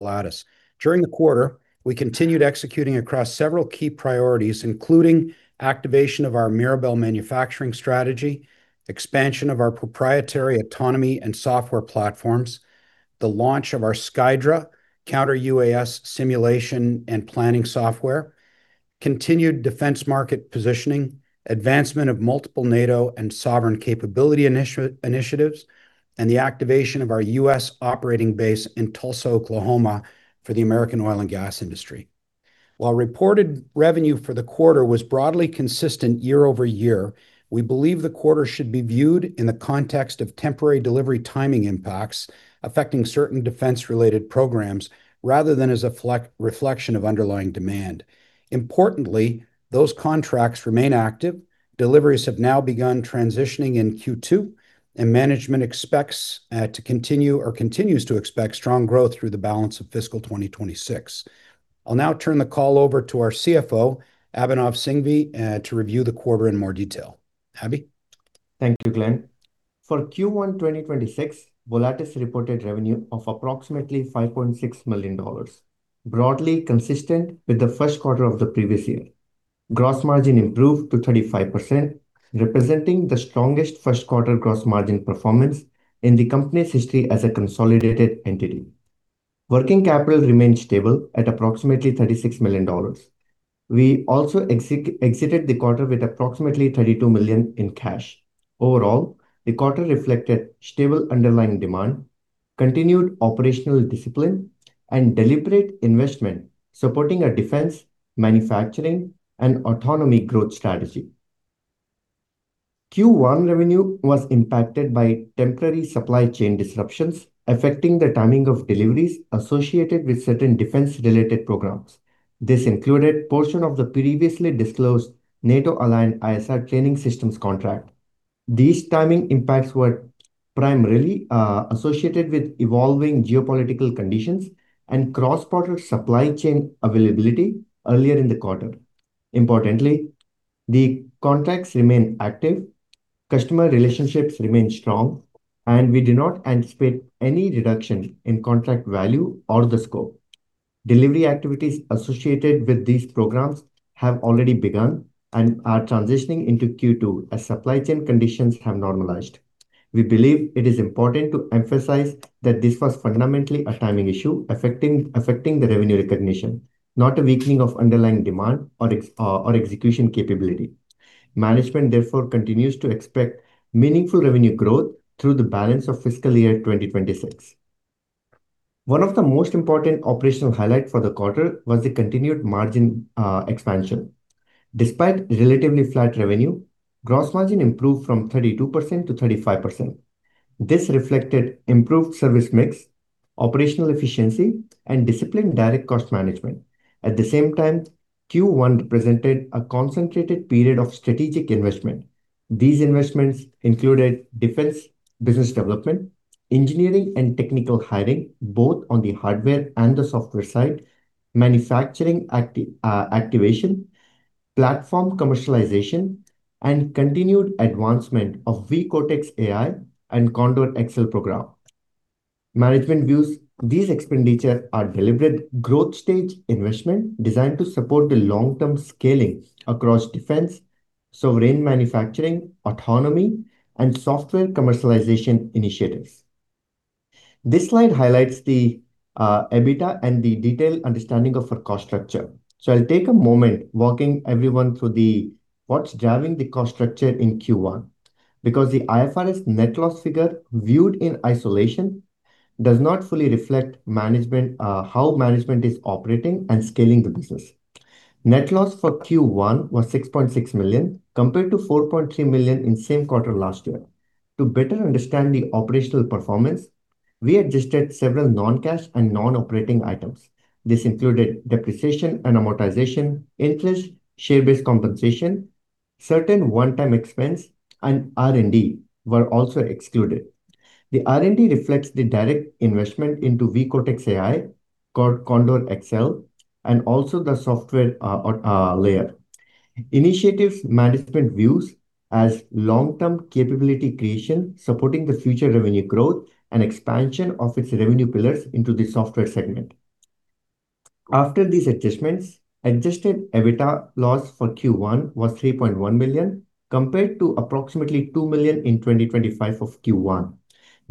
Volatus. During the quarter, we continued executing across several key priorities, including activation of our Mirabel manufacturing strategy, expansion of our proprietary autonomy and software platforms, the launch of our SKYDRA Counter UAS simulation and planning software, continued defence market positioning, advancement of multiple NATO and sovereign capability initiatives, and the activation of our U.S. operating base in Tulsa, Oklahoma for the American oil and gas industry. While reported revenue for the quarter was broadly consistent year-over-year, we believe the quarter should be viewed in the context of temporary delivery timing impacts affecting certain defence-related programs rather than as a reflection of underlying demand. Importantly, those contracts remain active. Deliveries have now begun transitioning in Q2, and management continues to expect strong growth through the balance of fiscal 2026. I'll now turn the call over to our CFO, Abhinav Singhvi, to review the quarter in more detail. Abhi? Thank you, Glen. For Q1 2026, Volatus reported revenue of approximately 5.6 million dollars, broadly consistent with the first quarter of the previous year. Gross margin improved to 35%, representing the strongest first quarter gross margin performance in the company's history as a consolidated entity. Working capital remained stable at approximately 36 million dollars. We also exited the quarter with approximately 32 million in cash. Overall, the quarter reflected stable underlying demand, continued operational discipline, and deliberate investment supporting our defence, manufacturing, and autonomy growth strategy. Q1 revenue was impacted by temporary supply chain disruptions affecting the timing of deliveries associated with certain defence-related programs. This included portion of the previously disclosed NATO-aligned ISR planning systems contract. These timing impacts were primarily associated with evolving geopolitical conditions and cross-border supply chain availability earlier in the quarter. Importantly, the contracts remain active, customer relationships remain strong. We do not anticipate any reduction in contract value or the scope. Delivery activities associated with these programs have already begun and are transitioning into Q2 as supply chain conditions have normalized. We believe it is important to emphasize that this was fundamentally a timing issue affecting the revenue recognition, not a weakening of underlying demand or execution capability. Management therefore continues to expect meaningful revenue growth through the balance of fiscal year 2026. One of the most important operational highlight for the quarter was the continued margin expansion. Despite relatively flat revenue, gross margin improved from 32% to 35%. This reflected improved service mix, operational efficiency, and disciplined direct cost management. At the same time, Q1 represented a concentrated period of strategic investment. These investments included defence business development, engineering and technical hiring, both on the hardware and the software side, manufacturing activation, platform commercialization, and continued advancement of V-Cortex AI and Condor XL program. Management views these expenditures are deliberate growth stage investment designed to support the long-term scaling across defence, sovereign manufacturing, autonomy, and software commercialization initiatives. This slide highlights the EBITDA and the detailed understanding of our cost structure. I'll take a moment walking everyone through what is driving the cost structure in Q1 because the IFRS net loss figure viewed in isolation does not fully reflect how management is operating and scaling the business. Net loss for Q1 was 6.6 million compared to 4.3 million in same quarter last year. To better understand the operational performance, we adjusted several non-cash and non-operating items. This included depreciation and amortization, interest, share-based compensation, certain one-time expense, and R&D were also excluded. The R&D reflects the direct investment into V-Cortex AI, Condor XL, and also the software or layer. Initiative management views as long-term capability creation supporting the future revenue growth and expansion of its revenue pillars into the software segment. After these adjustments, adjusted EBITDA loss for Q1 was 3.1 million compared to approximately 2 million in 2025 of Q1.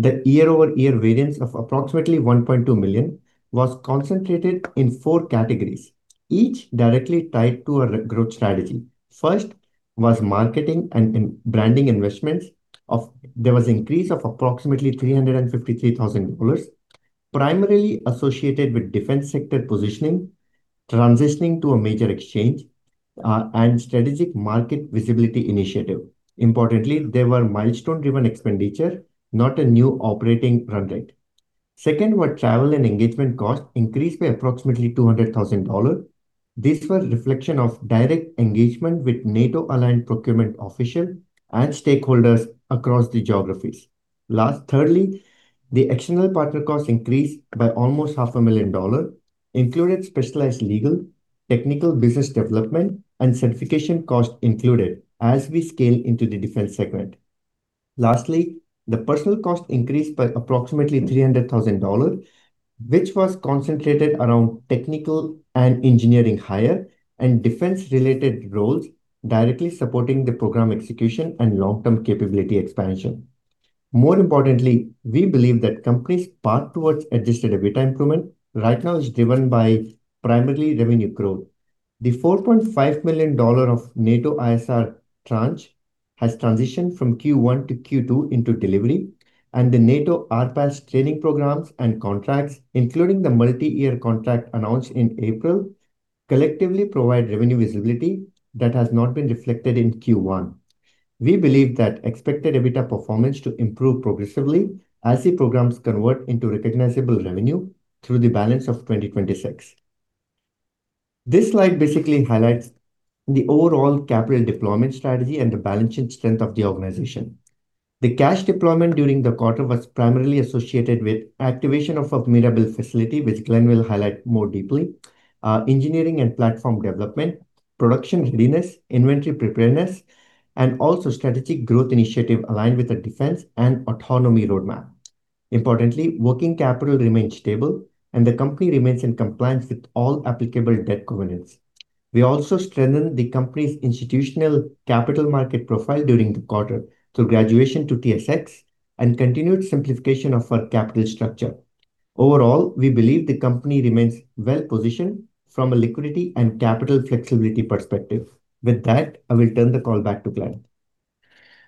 The year-over-year variance of approximately 1.2 million was concentrated in four categories, each directly tied to our growth strategy. First was marketing and in branding investments of there was increase of approximately 353,000 dollars primarily associated with defence sector positioning, transitioning to a major exchange, and strategic market visibility initiative. Importantly, they were milestone-driven expenditure, not a new operating run rate. Second were travel and engagement costs increased by approximately 200,000 dollars. These were reflection of direct engagement with NATO-aligned procurement official and stakeholders across the geographies. Last, thirdly, the external partner costs increased by almost 500,000 dollars included specialized legal, technical business development, and certification cost as we scale into the defence segment. Lastly, the personnel cost increased by approximately 300,000 dollars, which was concentrated around technical and engineering hire and defence-related roles directly supporting the program execution and long-term capability expansion. More importantly, we believe that company's path towards adjusted EBITDA improvement right now is driven by primarily revenue growth. The 4.5 million dollar of NATO ISR tranche has transitioned from Q1 to Q2 into delivery, and the NATO RPAS training programs and contracts, including the multi-year contract announced in April, collectively provide revenue visibility that has not been reflected in Q1. We believe that expected EBITDA performance to improve progressively as the programs convert into recognizable revenue through the balance of 2026. This slide basically highlights the overall capital deployment strategy and the balance sheet strength of the organization. The cash deployment during the quarter was primarily associated with activation of a Mirabel facility, which Glen will highlight more deeply, engineering and platform development, production readiness, inventory preparedness, and also strategic growth initiative aligned with the defence and autonomy roadmap. Importantly, working capital remains stable, and the company remains in compliance with all applicable debt covenants. We also strengthen the company's institutional capital market profile during the quarter through graduation to TSX and continued simplification of our capital structure. Overall, we believe the company remains well-positioned from a liquidity and capital flexibility perspective. With that, I will turn the call back to Glen.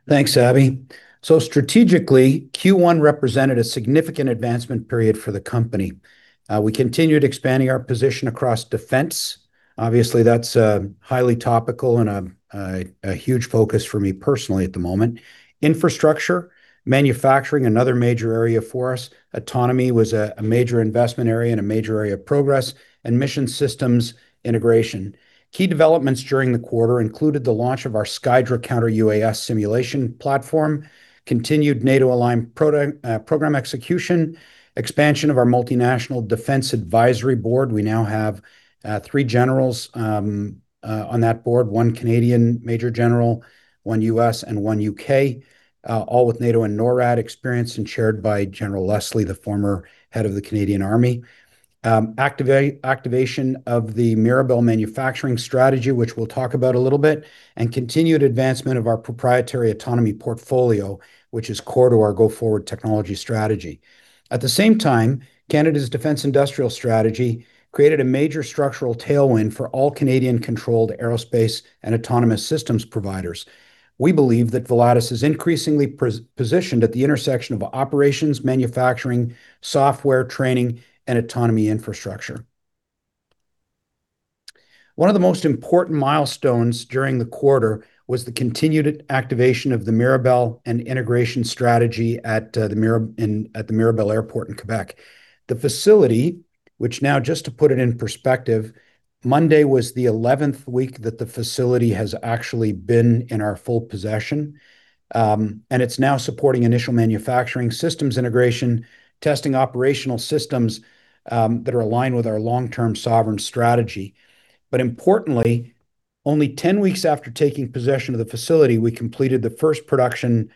Thanks, Abhi. Strategically, Q1 represented a significant advancement period for the company. We continued expanding our position across defence. Obviously, that's highly topical and a huge focus for me personally at the moment. Infrastructure, manufacturing, another major area for us. Autonomy was a major investment area and a major area of progress, and mission systems integration. Key developments during the quarter included the launch of our SKYDRA Counter UAS simulation platform, continued NATO-aligned program execution, expansion of our multinational defence advisory board. We now have three generals on that board, one Canadian major general, one U.S., and one U.K., all with NATO and NORAD experience and chaired by General Leslie, the former head of the Canadian Army. Activation of the Mirabel manufacturing strategy, which we'll talk about a little bit, and continued advancement of our proprietary autonomy portfolio, which is core to our go-forward technology strategy. At the same time, Canada's Defence Industrial Strategy created a major structural tailwind for all Canadian-controlled aerospace and autonomous systems providers. We believe that Volatus is increasingly positioned at the intersection of operations, manufacturing, software training, and autonomy infrastructure. One of the most important milestones during the quarter was the continued activation of the Mirabel and integration strategy at the Mirabel Airport in Quebec. The facility, which now just to put it in perspective, Monday was the 11th week that the facility has actually been in our full possession, and it's now supporting initial manufacturing systems integration, testing operational systems, that are aligned with our long-term sovereign strategy. Importantly, only 10 weeks after taking possession of the facility, we completed the first production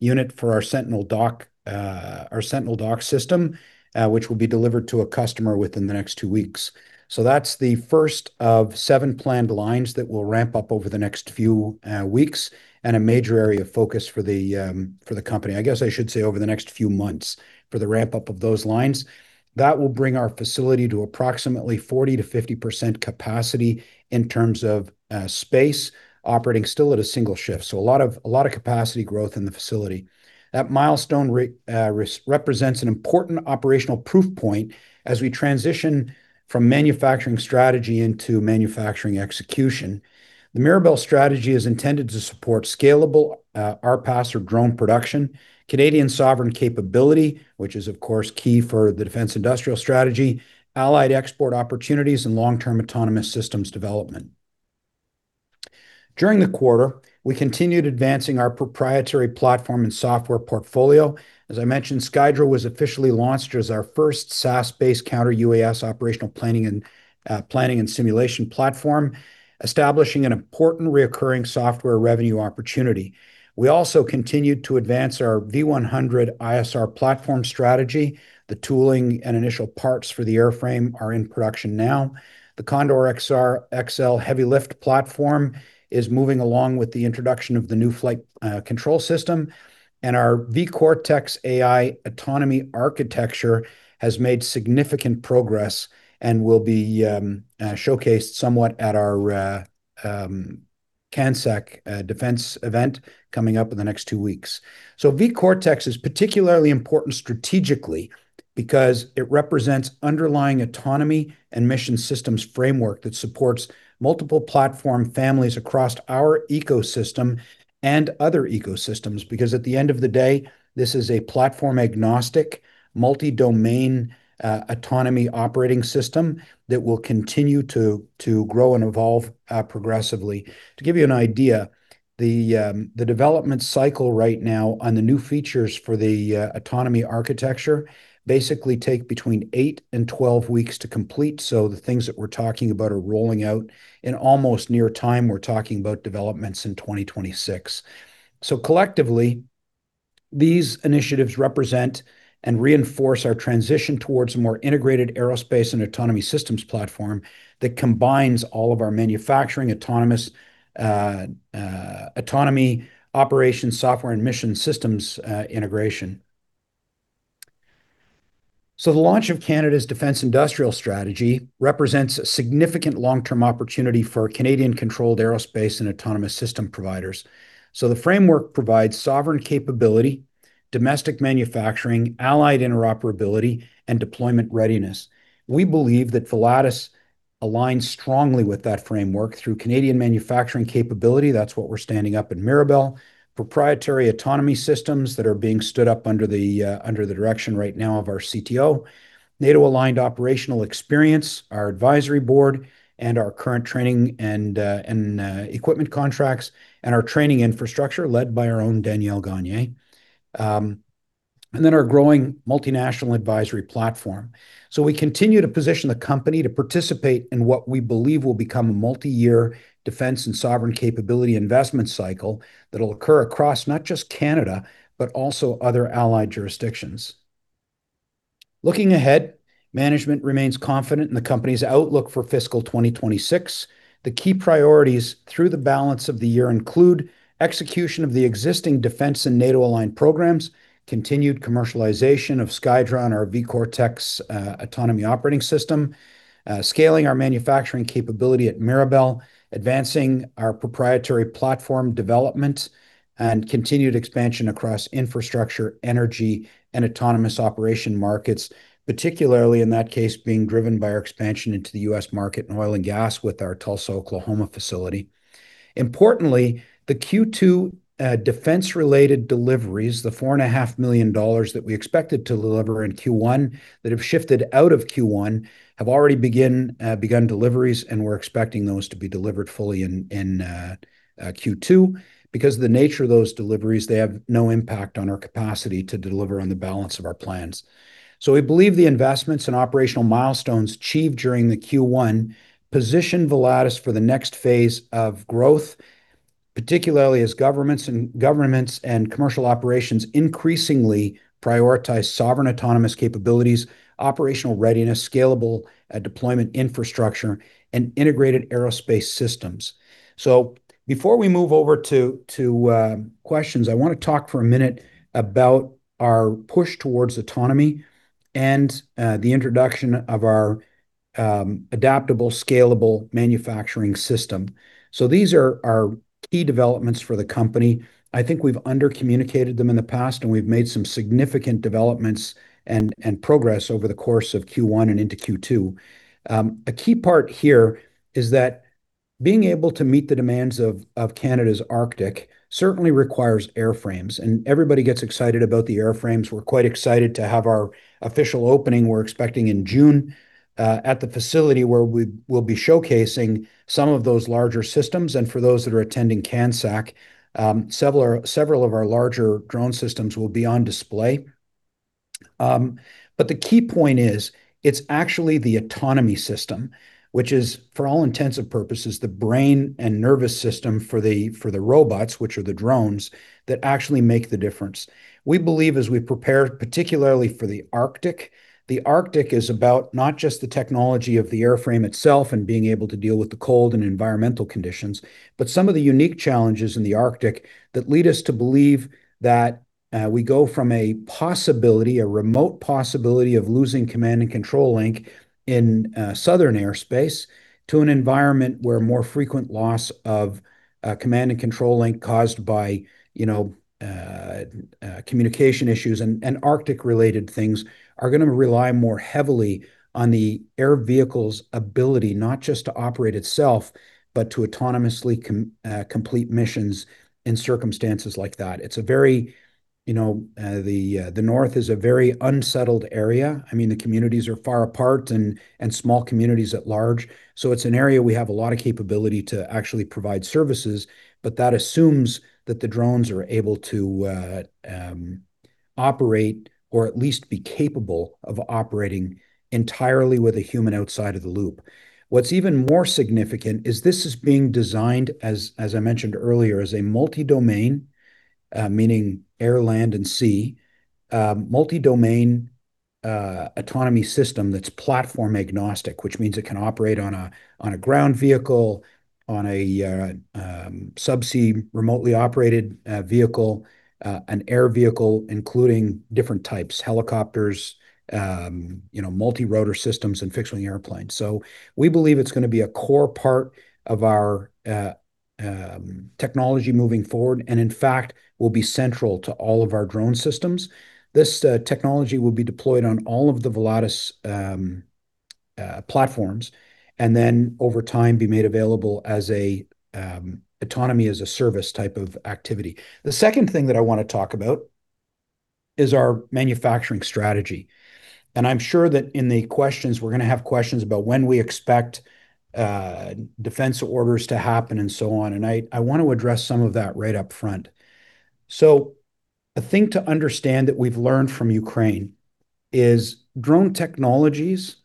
unit for our Sentinel Dock, our Sentinel Dock system, which will be delivered to a customer within the next two weeks. That's the first of seven planned lines that will ramp up over the next few weeks, and a major area of focus for the company. I guess I should say over the next few months for the ramp-up of those lines. That will bring our facility to approximately 40%-50% capacity in terms of space operating still at a single shift. A lot of capacity growth in the facility. That milestone represents an important operational proof point as we transition from manufacturing strategy into manufacturing execution. The Mirabel strategy is intended to support scalable RPAS or drone production, Canadian sovereign capability, which is of course key for the Defence Industrial Strategy, allied export opportunities, and long-term autonomous systems development. During the quarter, we continued advancing our proprietary platform and software portfolio. As I mentioned, SKYDRA was officially launched as our first SaaS-based Counter UAS operational planning and simulation platform, establishing an important reoccurring software revenue opportunity. We also continued to advance our V100 ISR platform strategy. The tooling and initial parts for the airframe are in production now. The Condor XL heavy lift platform is moving along with the introduction of the new flight control system, and our V-Cortex AI autonomy architecture has made significant progress and will be showcased somewhat at our CANSEC defence event coming up in the next two weeks. V-Cortex is particularly important strategically because it represents underlying autonomy and mission systems framework that supports multiple platform families across our ecosystem and other ecosystems, because at the end of the day, this is a platform-agnostic, multi-domain autonomy operating system that will continue to grow and evolve progressively. To give you an idea, the development cycle right now on the new features for the autonomy architecture basically take between eight and 12 weeks to complete. The things that we're talking about are rolling out in almost near time. We're talking about developments in 2026. Collectively, these initiatives represent and reinforce our transition towards a more integrated aerospace and autonomy systems platform that combines all of our manufacturing, autonomous autonomy operations, software and mission systems integration. The launch of Canada's Defence Industrial Strategy represents a significant long-term opportunity for Canadian-controlled aerospace and autonomous system providers. The framework provides sovereign capability, domestic manufacturing, allied interoperability, and deployment readiness. We believe that Volatus aligns strongly with that framework through Canadian manufacturing capability, that's what we're standing up in Mirabel, proprietary autonomy systems that are being stood up under the direction right now of our CTO, NATO-aligned operational experience, our advisory board, and our current training and equipment contracts, and our training infrastructure led by our own Danielle Gagne, and then our growing multinational advisory platform. We continue to position the company to participate in what we believe will become a multi-year defence and sovereign capability investment cycle that'll occur across not just Canada, but also other allied jurisdictions. Looking ahead, management remains confident in the company's outlook for fiscal 2026. The key priorities through the balance of the year include execution of the existing defence and NATO-aligned programs, continued commercialization of SKYDRA and our V-Cortex autonomy operating system, scaling our manufacturing capability at Mirabel, advancing our proprietary platform development, and continued expansion across infrastructure, energy, and autonomous operation markets, particularly in that case being driven by our expansion into the U.S. market in oil and gas with our Tulsa, Oklahoma facility. Importantly, the Q2 defence-related deliveries, the 4.5 million dollars that we expected to deliver in Q1 that have shifted out of Q1, have already begun deliveries, and we're expecting those to be delivered fully in Q2. Because of the nature of those deliveries, they have no impact on our capacity to deliver on the balance of our plans. We believe the investments and operational milestones achieved during the Q1 position Volatus for the next phase of growth, particularly as governments and commercial operations increasingly prioritize sovereign autonomous capabilities, operational readiness, scalable deployment infrastructure, and integrated aerospace systems. Before we move over to questions, I want to talk for a minute about our push towards autonomy and the introduction of our adaptable, scalable manufacturing system. These are our key developments for the company. I think we've under-communicated them in the past, and we've made some significant developments and progress over the course of Q1 and into Q2. A key part here is that being able to meet the demands of Canada's Arctic certainly requires airframes, and everybody gets excited about the airframes. We're quite excited to have our official opening we're expecting in June, at the facility where we will be showcasing some of those larger systems. For those that are attending CANSEC, several of our larger drone systems will be on display. The key point is, it's actually the autonomy system, which is, for all intents and purposes, the brain and nervous system for the, for the robots, which are the drones, that actually make the difference. We believe as we prepare particularly for the Arctic, the Arctic is about not just the technology of the airframe itself and being able to deal with the cold and environmental conditions, but some of the unique challenges in the Arctic that lead us to believe that we go from a possibility, a remote possibility of losing command and control link in southern airspace to an environment where more frequent loss of command and control link caused by, you know, communication issues and Arctic-related things are gonna rely more heavily on the air vehicle's ability not just to operate itself, but to autonomously complete missions in circumstances like that. It's a very, you know, the North is a very unsettled area. I mean, the communities are far apart and small communities at large. It's an area we have a lot of capability to actually provide services, but that assumes that the drones are able to operate or at least be capable of operating entirely with a human outside of the loop. What's even more significant is this is being designed as I mentioned earlier, as a multi-domain, meaning air, land, and sea, multi-domain autonomy system that's platform-agnostic, which means it can operate on a ground vehicle, on a subsea remotely operated vehicle, an air vehicle, including different types, helicopters, you know, multi-rotor systems, and fixed-wing airplanes. We believe it's gonna be a core part of our technology moving forward and, in fact, will be central to all of our drone systems. This technology will be deployed on all of the Volatus platforms and then over time be made available as a autonomy-as-a-service type of activity. The second thing that I wanna talk about is our manufacturing strategy, and I'm sure that in the questions, we're gonna have questions about when we expect defence orders to happen and so on, and I want to address some of that right up front. The thing to understand that we've learned from Ukraine is drone technologies,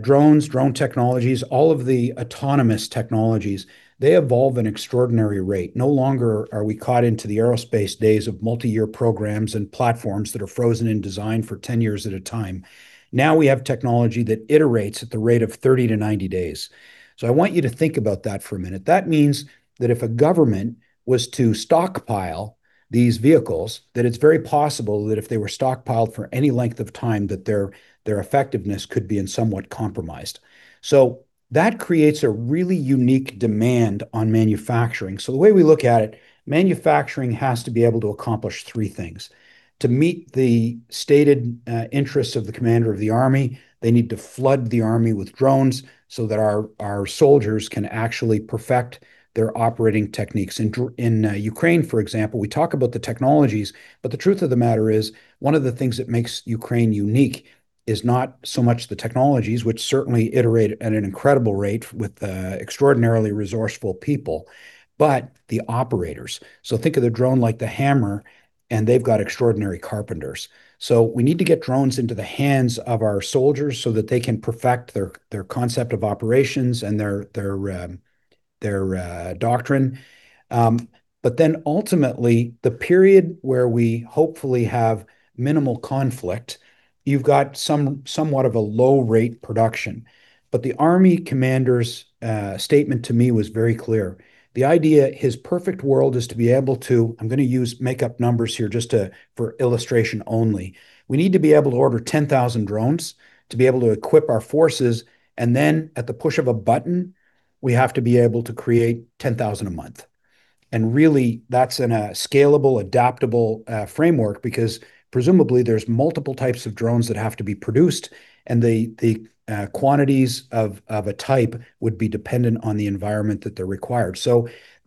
drones, drone technologies, all of the autonomous technologies, they evolve an extraordinary rate. No longer are we caught into the aerospace days of multi-year programs and platforms that are frozen in design for 10 years at a time. Now we have technology that iterates at the rate of 30-90 days. I want you to think about that for a minute. That means that if a government was to stockpile these vehicles, that it's very possible that if they were stockpiled for any length of time, that their effectiveness could be somewhat compromised. That creates a really unique demand on manufacturing. The way we look at it, manufacturing has to be able to accomplish three things. To meet the stated interests of the commander of the army, they need to flood the army with drones so that our soldiers can actually perfect their operating techniques. In Ukraine, for example, we talk about the technologies, but the truth of the matter is one of the things that makes Ukraine unique is not so much the technologies, which certainly iterate at an incredible rate with extraordinarily resourceful people, but the operators. Think of the drone like the hammer, and they've got extraordinary carpenters. We need to get drones into the hands of our soldiers so that they can perfect their concept of operations and their doctrine. Ultimately, the period where we hopefully have minimal conflict, you've got somewhat of a low rate production. The army commander's statement to me was very clear. The idea, his perfect world is to be able to, I'm going to use make up numbers here just for illustration only. We need to be able to order 10,000 drones to be able to equip our forces. Then at the push of a button, we have to be able to create 10,000 a month. Really, that's in a scalable, adaptable framework because presumably there's multiple types of drones that have to be produced and the quantities of a type would be dependent on the environment that they're required.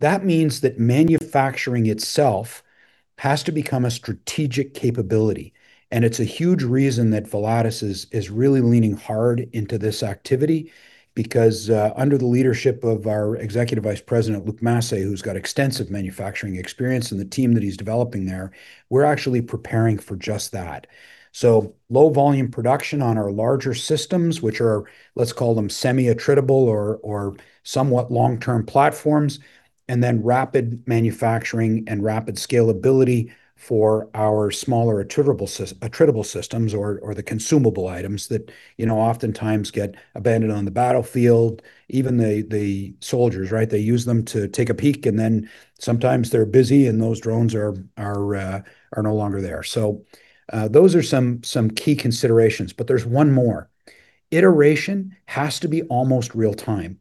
That means that manufacturing itself has to become a strategic capability. It's a huge reason that Volatus is really leaning hard into this activity because under the leadership of our Executive Vice President, Luc Massé, who's got extensive manufacturing experience and the team that he's developing there, we're actually preparing for just that. Low volume production on our larger systems, which are, let's call them semi-attritable or somewhat long-term platforms, and then rapid manufacturing and rapid scalability for our smaller attritable systems or the consumable items that oftentimes get abandoned on the battlefield. Even the soldiers, right? They use them to take a peek and then sometimes they're busy and those drones are no longer there. Those are some key considerations, but there's one more. Iteration has to be almost real time.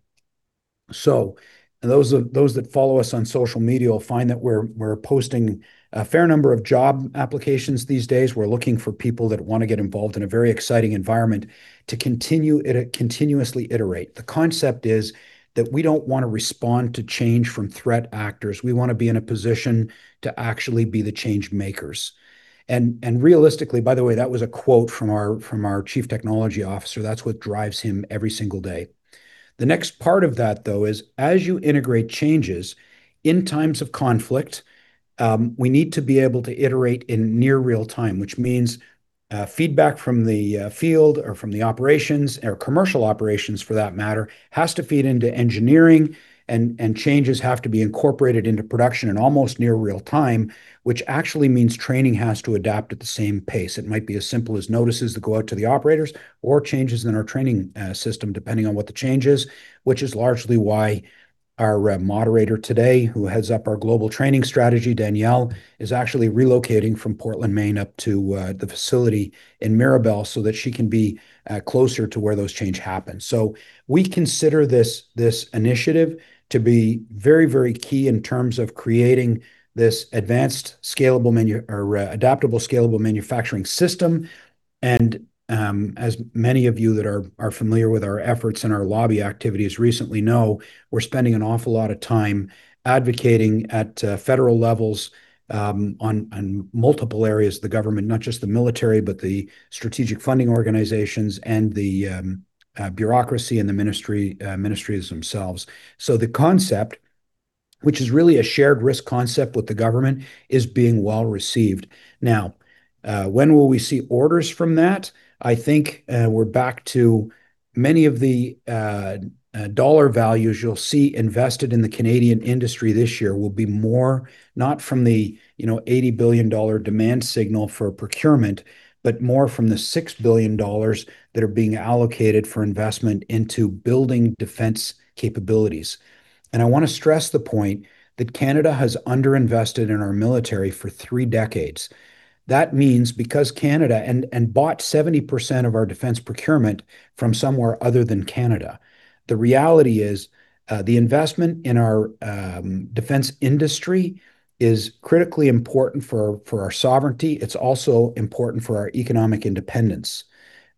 Those that follow us on social media will find that we're posting a fair number of job applications these days. We're looking for people that want to get involved in a very exciting environment to continuously iterate. The concept is that we don't want to respond to change from threat actors. We want to be in a position to actually be the change makers. Realistically, by the way, that was a quote from our Chief Technology Officer. That's what drives him every single day. The next part of that, though, is as you integrate changes in times of conflict, we need to be able to iterate in near real time, which means feedback from the field or from the operations or commercial operations for that matter has to feed into engineering and changes have to be incorporated into production in almost near real time, which actually means training has to adapt at the same pace. It might be as simple as notices that go out to the operators or changes in our training system, depending on what the change is, which is largely why our moderator today, who heads up our global training strategy, Danielle, is actually relocating from Portland, Maine up to the facility in Mirabel so that she can be closer to where those change happen. We consider this initiative to be very, very key in terms of creating this advanced scalable or adaptable scalable manufacturing system. As many of you that are familiar with our efforts and our lobby activities recently know, we're spending an awful lot of time advocating at federal levels on multiple areas of the government, not just the military, but the strategic funding organizations and the bureaucracy and the ministries themselves. The concept, which is really a shared risk concept with the government, is being well received. When will we see orders from that? I think we're back to many of the dollar values you'll see invested in the Canadian industry this year will be more not from the 80 billion dollar demand signal for procurement, but more from the 6 billion dollars that are being allocated for investment into building defence capabilities. I want to stress the point that Canada has underinvested in our military for three decades. That means because Canada bought 70% of our defence procurement from somewhere other than Canada. The reality is the investment in our defence industry is critically important for our sovereignty. It is also important for our economic independence.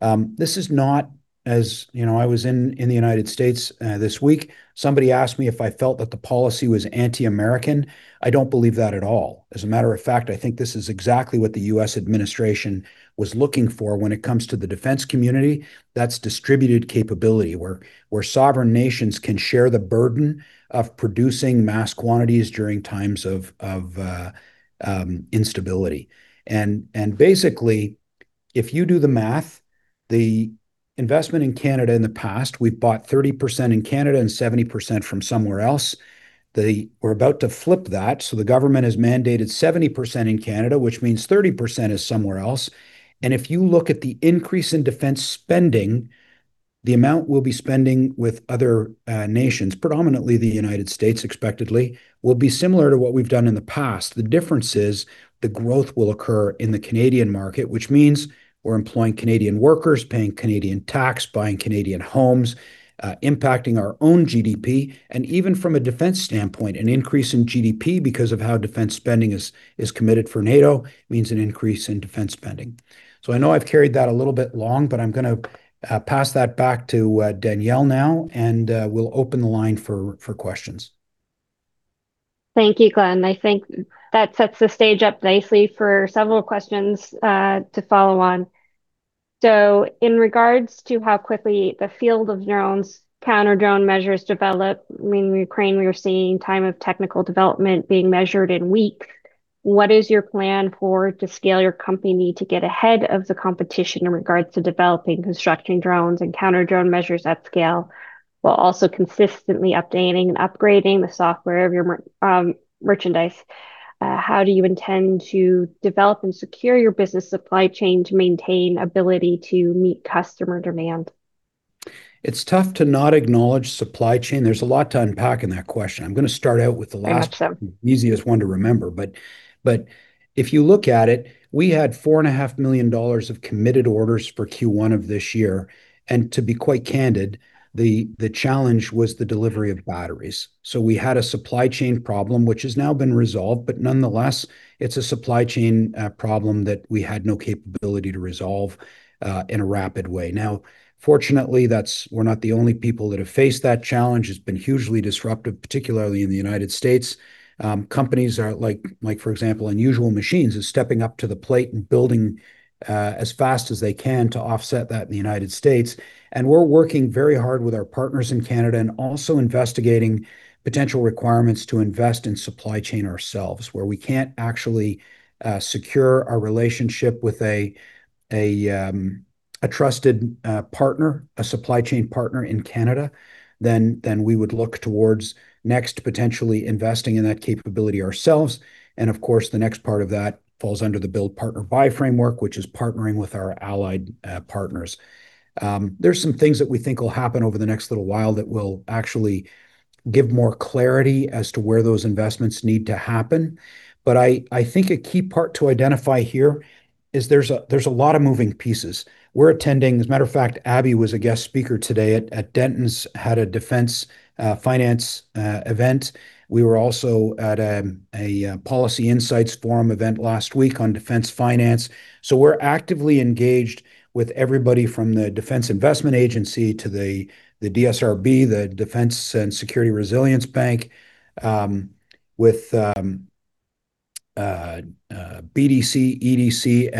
This is not as, you know, I was in the United States this week. Somebody asked me if I felt that the policy was anti-American. I do not believe that at all. As a matter of fact, I think this is exactly what the U.S. administration was looking for when it comes to the defence community. That is distributed capability where sovereign nations can share the burden of producing mass quantities during times of instability. Basically, if you do the math, the investment in Canada in the past, we've bought 30% in Canada and 70% from somewhere else. They were about to flip that, the government has mandated 70% in Canada, which means 30% is somewhere else. If you look at the increase in defence spending, the amount we'll be spending with other nations, predominantly the United States expectedly, will be similar to what we've done in the past. The difference is the growth will occur in the Canadian market, which means we're employing Canadian workers, paying Canadian tax, buying Canadian homes, impacting our own GDP. Even from a defence standpoint, an increase in GDP because of how defence spending is committed for NATO means an increase in defence spending. I know I've carried that a little bit long, but I'm gonna pass that back to Danielle now, and we'll open the line for questions. Thank you, Glen. I think that sets the stage up nicely for several questions to follow on. In regards to how quickly the field of drones, counter-drone measures develop, in Ukraine we were seeing time of technical development being measured in weeks. What is your plan to scale your company to get ahead of the competition in regards to developing construction drones and counter-drone measures at scale, while also consistently updating and upgrading the software of your merchandise? How do you intend to develop and secure your business supply chain to maintain ability to meet customer demand? It's tough to not acknowledge supply chain. There's a lot to unpack in that question. I'm gonna start out with the last. Perhaps so. Easiest one to remember. If you look at it, we had 4.5 million dollars of committed orders for Q1 of this year, and to be quite candid, the challenge was the delivery of batteries. We had a supply chain problem, which has now been resolved, but nonetheless, it's a supply chain problem that we had no capability to resolve in a rapid way. Fortunately, that's we're not the only people that have faced that challenge. It's been hugely disruptive, particularly in the United States. Companies like for example, Unusual Machines is stepping up to the plate and building as fast as they can to offset that in the United States. We're working very hard with our partners in Canada and also investigating potential requirements to invest in supply chain ourselves, where we can't actually secure our relationship with a trusted partner, a supply chain partner in Canada, then we would look towards next potentially investing in that capability ourselves. Of course, the next part of that falls under the build partner buy framework, which is partnering with our allied partners. There's some things that we think will happen over the next little while that will actually give more clarity as to where those investments need to happen. I think a key part to identify here is there's a lot of moving pieces. We're attending, as a matter of fact, Abhi was a guest speaker today at Dentons, had a Defence finance event. We were also at a policy insights forum event last week on defence finance. We're actively engaged with everybody from the Defence Investment Agency to the DSRB, the Defence, Security and Resilience Bank, with BDC, EDC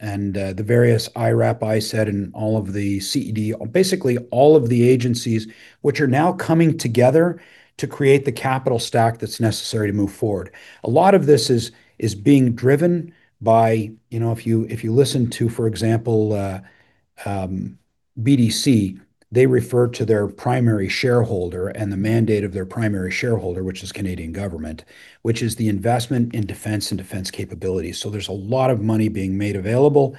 and the various IRAP, ISED and all of the CED. Basically, all of the agencies which are now coming together to create the capital stack that's necessary to move forward. A lot of this is being driven by, you know, if you listen to, for example, BDC, they refer to their primary shareholder and the mandate of their primary shareholder, which is Canadian government, which is the investment in defence and defence capabilities. There's a lot of money being made available,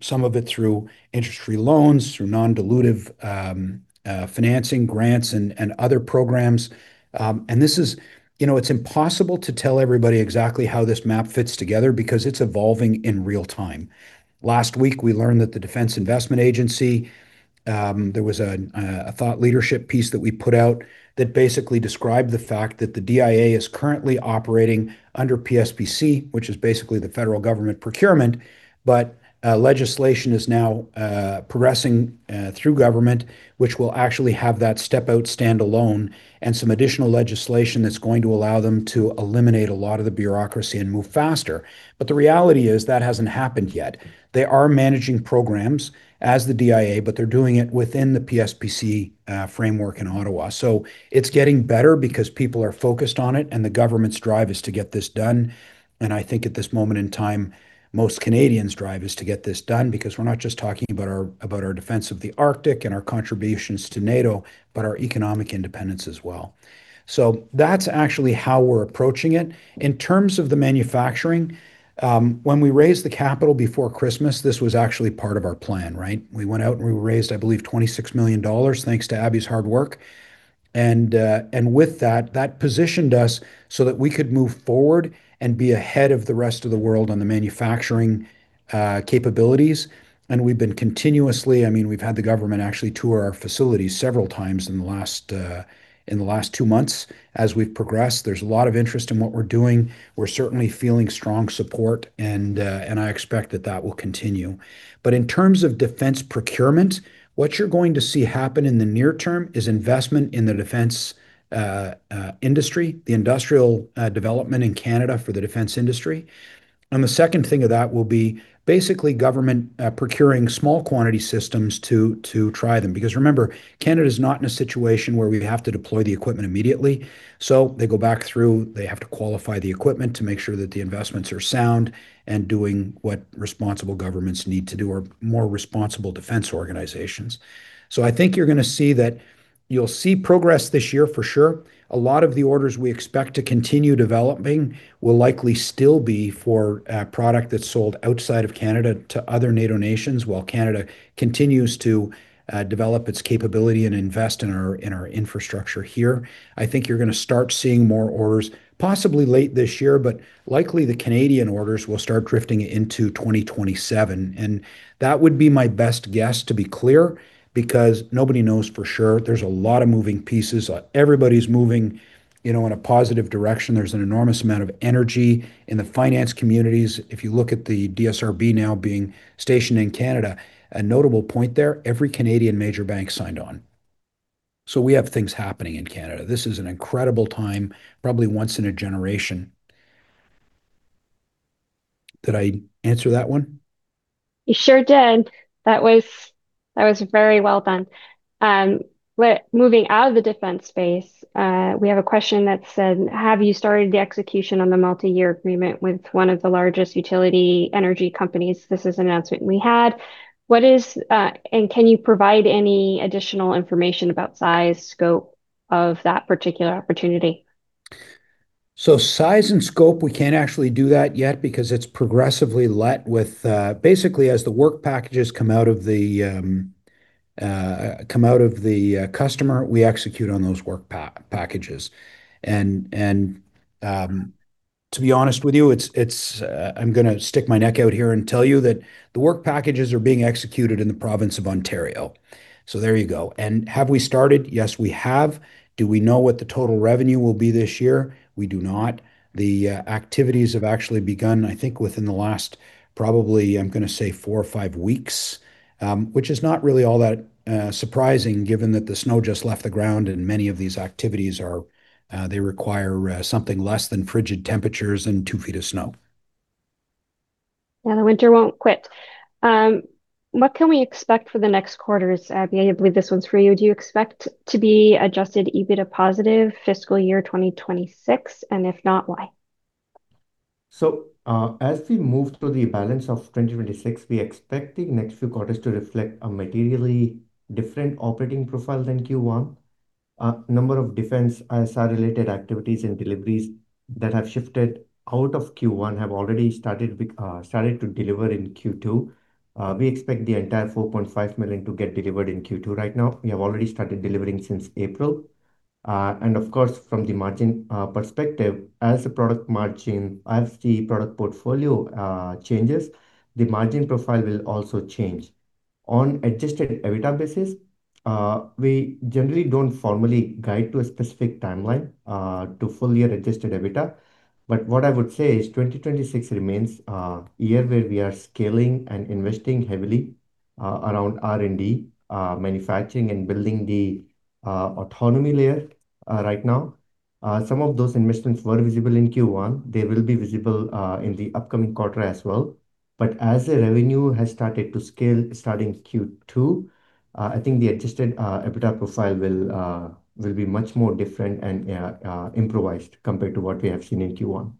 some of it through interest-free loans, through non-dilutive financing grants and other programs. This is, you know, it's impossible to tell everybody exactly how this map fits together because it's evolving in real time. Last week, we learned that the Defence Investment Agency, there was a thought leadership piece that we put out that basically described the fact that the DIA is currently operating under PSPC, which is basically the federal government procurement. Legislation is now progressing through government, which will actually have that step out stand alone and some additional legislation that's going to allow them to eliminate a lot of the bureaucracy and move faster. The reality is that hasn't happened yet. They are managing programs as the DIA, but they're doing it within the PSPC framework in Ottawa. It's getting better because people are focused on it, and the government's drive is to get this done. I think at this moment in time, most Canadians drive is to get this done because we're not just talking about our defence of the Arctic and our contributions to NATO, but our economic independence as well. That's actually how we're approaching it. In terms of the manufacturing, when we raised the capital before Christmas, this was actually part of our plan, right? We went out and we raised, I believe, 26 million dollars, thanks to Abhi's hard work. With that positioned us so that we could move forward and be ahead of the rest of the world on the manufacturing capabilities. We've been continuously I mean, we've had the government actually tour our facility several times in the last two months. As we've progressed, there's a lot of interest in what we're doing. We're certainly feeling strong support, and I expect that that will continue. In terms of defence procurement, what you're going to see happen in the near term is investment in the defence industry, the industrial development in Canada for the defence industry. The second thing of that will be basically government procuring small quantity systems to try them. Remember, Canada's not in a situation where we have to deploy the equipment immediately. They go back through, they have to qualify the equipment to make sure that the investments are sound and doing what responsible governments need to do, or more responsible defence organizations. I think you're going to see that. You'll see progress this year for sure. A lot of the orders we expect to continue developing will likely still be for a product that's sold outside of Canada to other NATO nations while Canada continues to develop its capability and invest in our infrastructure here. I think you're gonna start seeing more orders possibly late this year, but likely the Canadian orders will start drifting into 2027. That would be my best guess, to be clear, because nobody knows for sure. There's a lot of moving pieces. Everybody's moving, you know, in a positive direction. There's an enormous amount of energy in the finance communities. If you look at the DSRB now being stationed in Canada, a notable point there, every Canadian major bank signed on. We have things happening in Canada. This is an incredible time, probably once in a generation. Did I answer that one? You sure did. That was very well done. Moving out of the defence space, we have a question that said: "Have you started the execution on the multi-year agreement with one of the largest utility energy companies?" This is an announcement we had. Can you provide any additional information about size, scope of that particular opportunity? Size and scope, we can't actually do that yet because it's progressively let with. Basically, as the work packages come out of the customer, we execute on those work packages. To be honest with you, it's, I'm gonna stick my neck out here and tell you that the work packages are being executed in the province of Ontario. There you go. Have we started? Yes, we have. Do we know what the total revenue will be this year? We do not. The activities have actually begun, I think, within the last probably, I'm gonna say four or five weeks, which is not really all that surprising given that the snow just left the ground and many of these activities are, they require something less than frigid temperatures and 2 ft of snow. Yeah, the winter won't quit. What can we expect for the next quarters? Abhi, I believe this one's for you. Do you expect to be adjusted EBITDA positive fiscal year 2026? If not, why? As we move through the balance of 2026, we expect the next few quarters to reflect a materially different operating profile than Q1. A number of defence ISR-related activities and deliveries that have shifted out of Q1 have already started to deliver in Q2. We expect the entire 4.5 million to get delivered in Q2 right now. We have already started delivering since April. Of course, from the margin perspective, as the product portfolio changes, the margin profile will also change. On adjusted EBITDA basis, we generally don't formally guide to a specific timeline to full year adjusted EBITDA. What I would say is 2026 remains a year where we are scaling and investing heavily around R&D, manufacturing, and building the autonomy layer right now. Some of those investments were visible in Q1. They will be visible in the upcoming quarter as well. As the revenue has started to scale starting Q2, I think the adjusted EBITDA profile will be much more different and improvised compared to what we have seen in Q1.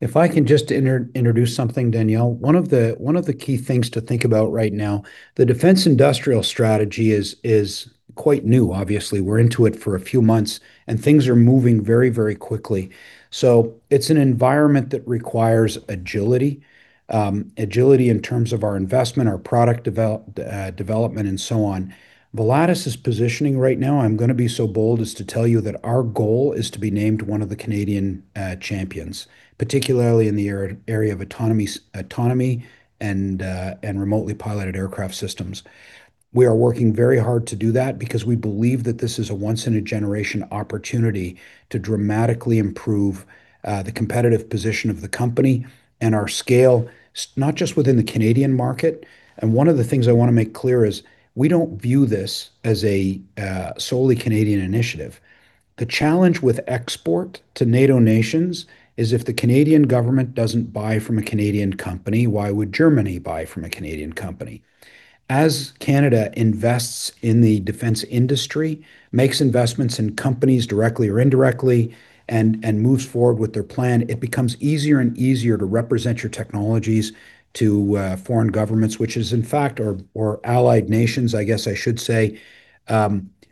If I can just introduce something, Danielle. One of the key things to think about right now, the Defence Industrial Strategy is quite new, obviously. We're into it for a few months, and things are moving very, very quickly. It's an environment that requires agility in terms of our investment, our product development, and so on. Volatus is positioning right now, I'm gonna be so bold as to tell you that our goal is to be named one of the Canadian champions, particularly in the area of autonomy and Remotely Piloted Aircraft Systems. We are working very hard to do that because we believe that this is a once-in-a-generation opportunity to dramatically improve the competitive position of the company and our scale, not just within the Canadian market. One of the things I wanna make clear is we don't view this as a solely Canadian initiative. The challenge with export to NATO nations is if the Canadian government doesn't buy from a Canadian company, why would Germany buy from a Canadian company? As Canada invests in the defence industry, makes investments in companies directly or indirectly, and moves forward with their plan, it becomes easier and easier to represent your technologies to foreign governments, which is in fact, or allied nations, I guess I should say,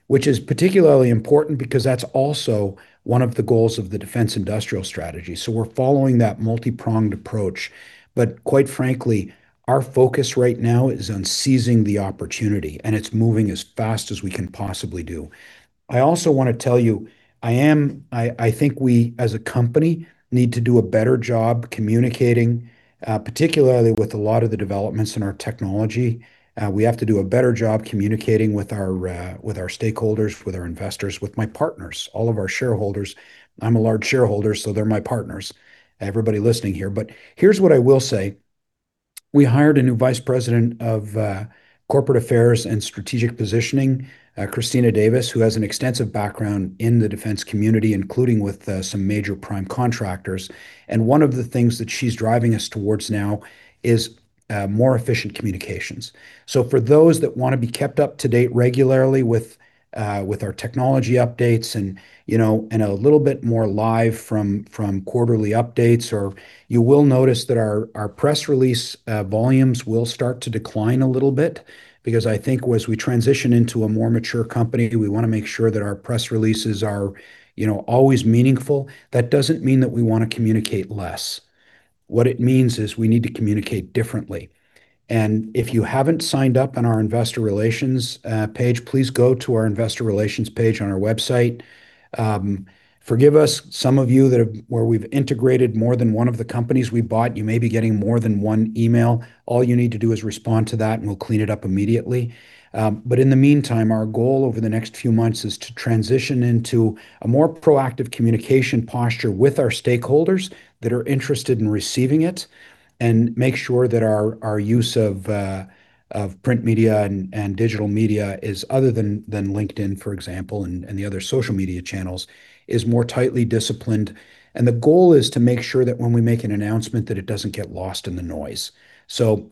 which is particularly important because that's also one of the goals of the Defence Industrial Strategy. We're following that multi-pronged approach. Quite frankly, our focus right now is on seizing the opportunity, and it's moving as fast as we can possibly do. I also wanna tell you, I think we as a company need to do a better job communicating, particularly with a lot of the developments in our technology. We have to do a better job communicating with our, with our stakeholders, with our investors, with my partners, all of our shareholders. I'm a large shareholder, they're my partners, everybody listening here. Here's what I will say. We hired a new Vice President of Corporate Affairs and Strategic Positioning, Kristina Davis, who has an extensive background in the defence community, including with some major prime contractors. One of the things that she's driving us towards now is more efficient communications. For those that wanna be kept up to date regularly with our technology updates and, you know, a little bit more live from quarterly updates or you will notice that our press release volumes will start to decline a little bit because I think as we transition into a more mature company, we wanna make sure that our press releases are, you know, always meaningful. That doesn't mean that we wanna communicate less. What it means is we need to communicate differently. If you haven't signed up on our Investor Relations page, please go to our Investor Relations page on our website. Forgive us, some of you where we've integrated more than one of the companies we bought, you may be getting more than one email. All you need to do is respond to that, and we'll clean it up immediately. In the meantime, our goal over the next few months is to transition into a more proactive communication posture with our stakeholders that are interested in receiving it and make sure that our use of print media and digital media is other than LinkedIn, for example, and the other social media channels, is more tightly disciplined. The goal is to make sure that when we make an announcement, that it doesn't get lost in the noise.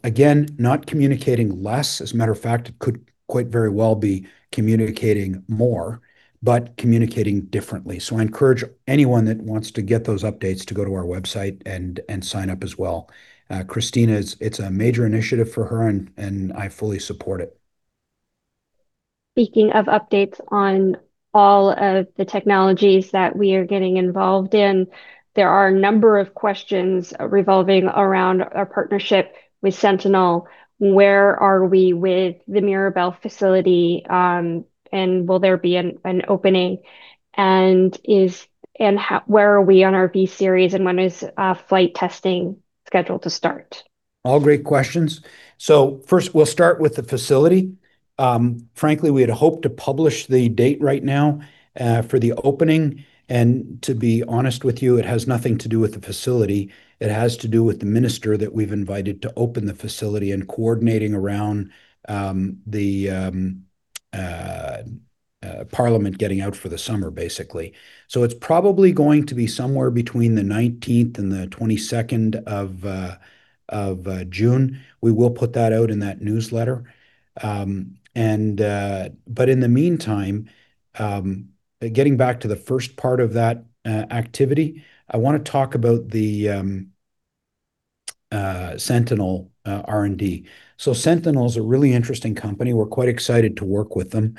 Again, not communicating less. As a matter of fact, it could quite very well be communicating more, but communicating differently. I encourage anyone that wants to get those updates to go to our website and sign up as well. Kristina is-- it's a major initiative for her and I fully support it. Speaking of updates on all of the technologies that we are getting involved in, there are a number of questions revolving around our partnership with Sentinel. Where are we with the Mirabel facility, and will there be an opening? Where are we on our V-series and when is flight testing scheduled to start? All great questions. First, we'll start with the facility. Frankly, we had hoped to publish the date right now for the opening. To be honest with you, it has nothing to do with the facility. It has to do with the minister that we've invited to open the facility and coordinating around the parliament getting out for the summer, basically. It's probably going to be somewhere between the 19th and the 22nd of June. We will put that out in that newsletter. In the meantime, getting back to the first part of that activity, I wanna talk about the Sentinel R&D. Sentinel's a really interesting company. We're quite excited to work with them.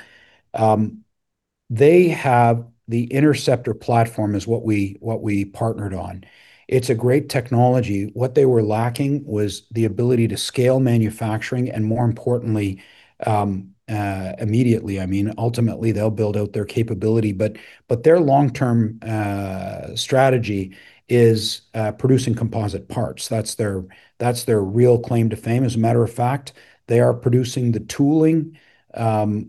They have the Interceptor platform is what we partnered on. It's a great technology. What they were lacking was the ability to scale manufacturing, and more importantly, immediately. I mean, ultimately, they'll build out their capability, but their long-term strategy is producing composite parts. That's their real claim to fame. As a matter of fact, they are producing the tooling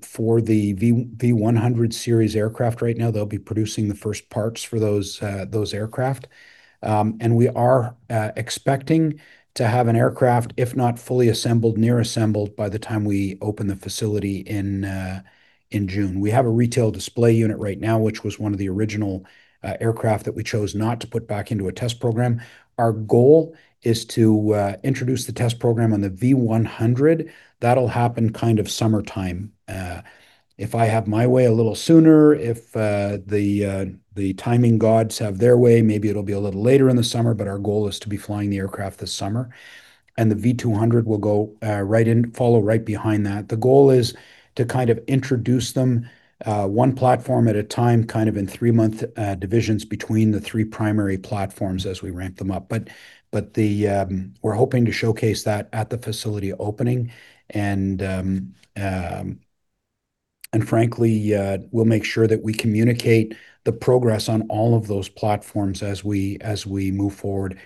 for the V100 Series aircraft right now. They'll be producing the first parts for those aircraft. And we are expecting to have an aircraft, if not fully assembled, near assembled by the time we open the facility in June. We have a retail display unit right now, which was one of the original aircraft that we chose not to put back into a test program. Our goal is to introduce the test program on the V100. That'll happen kind of summertime. If I have my way, a little sooner. If the timing gods have their way, maybe it'll be a little later in the summer, but our goal is to be flying the aircraft this summer. The V200 will go right in, follow right behind that. The goal is to kind of introduce them, one platform at a time, kind of in three-month divisions between the three primary platforms as we ramp them up. We're hoping to showcase that at the facility opening and, frankly, we'll make sure that we communicate the progress on all of those platforms as we move forward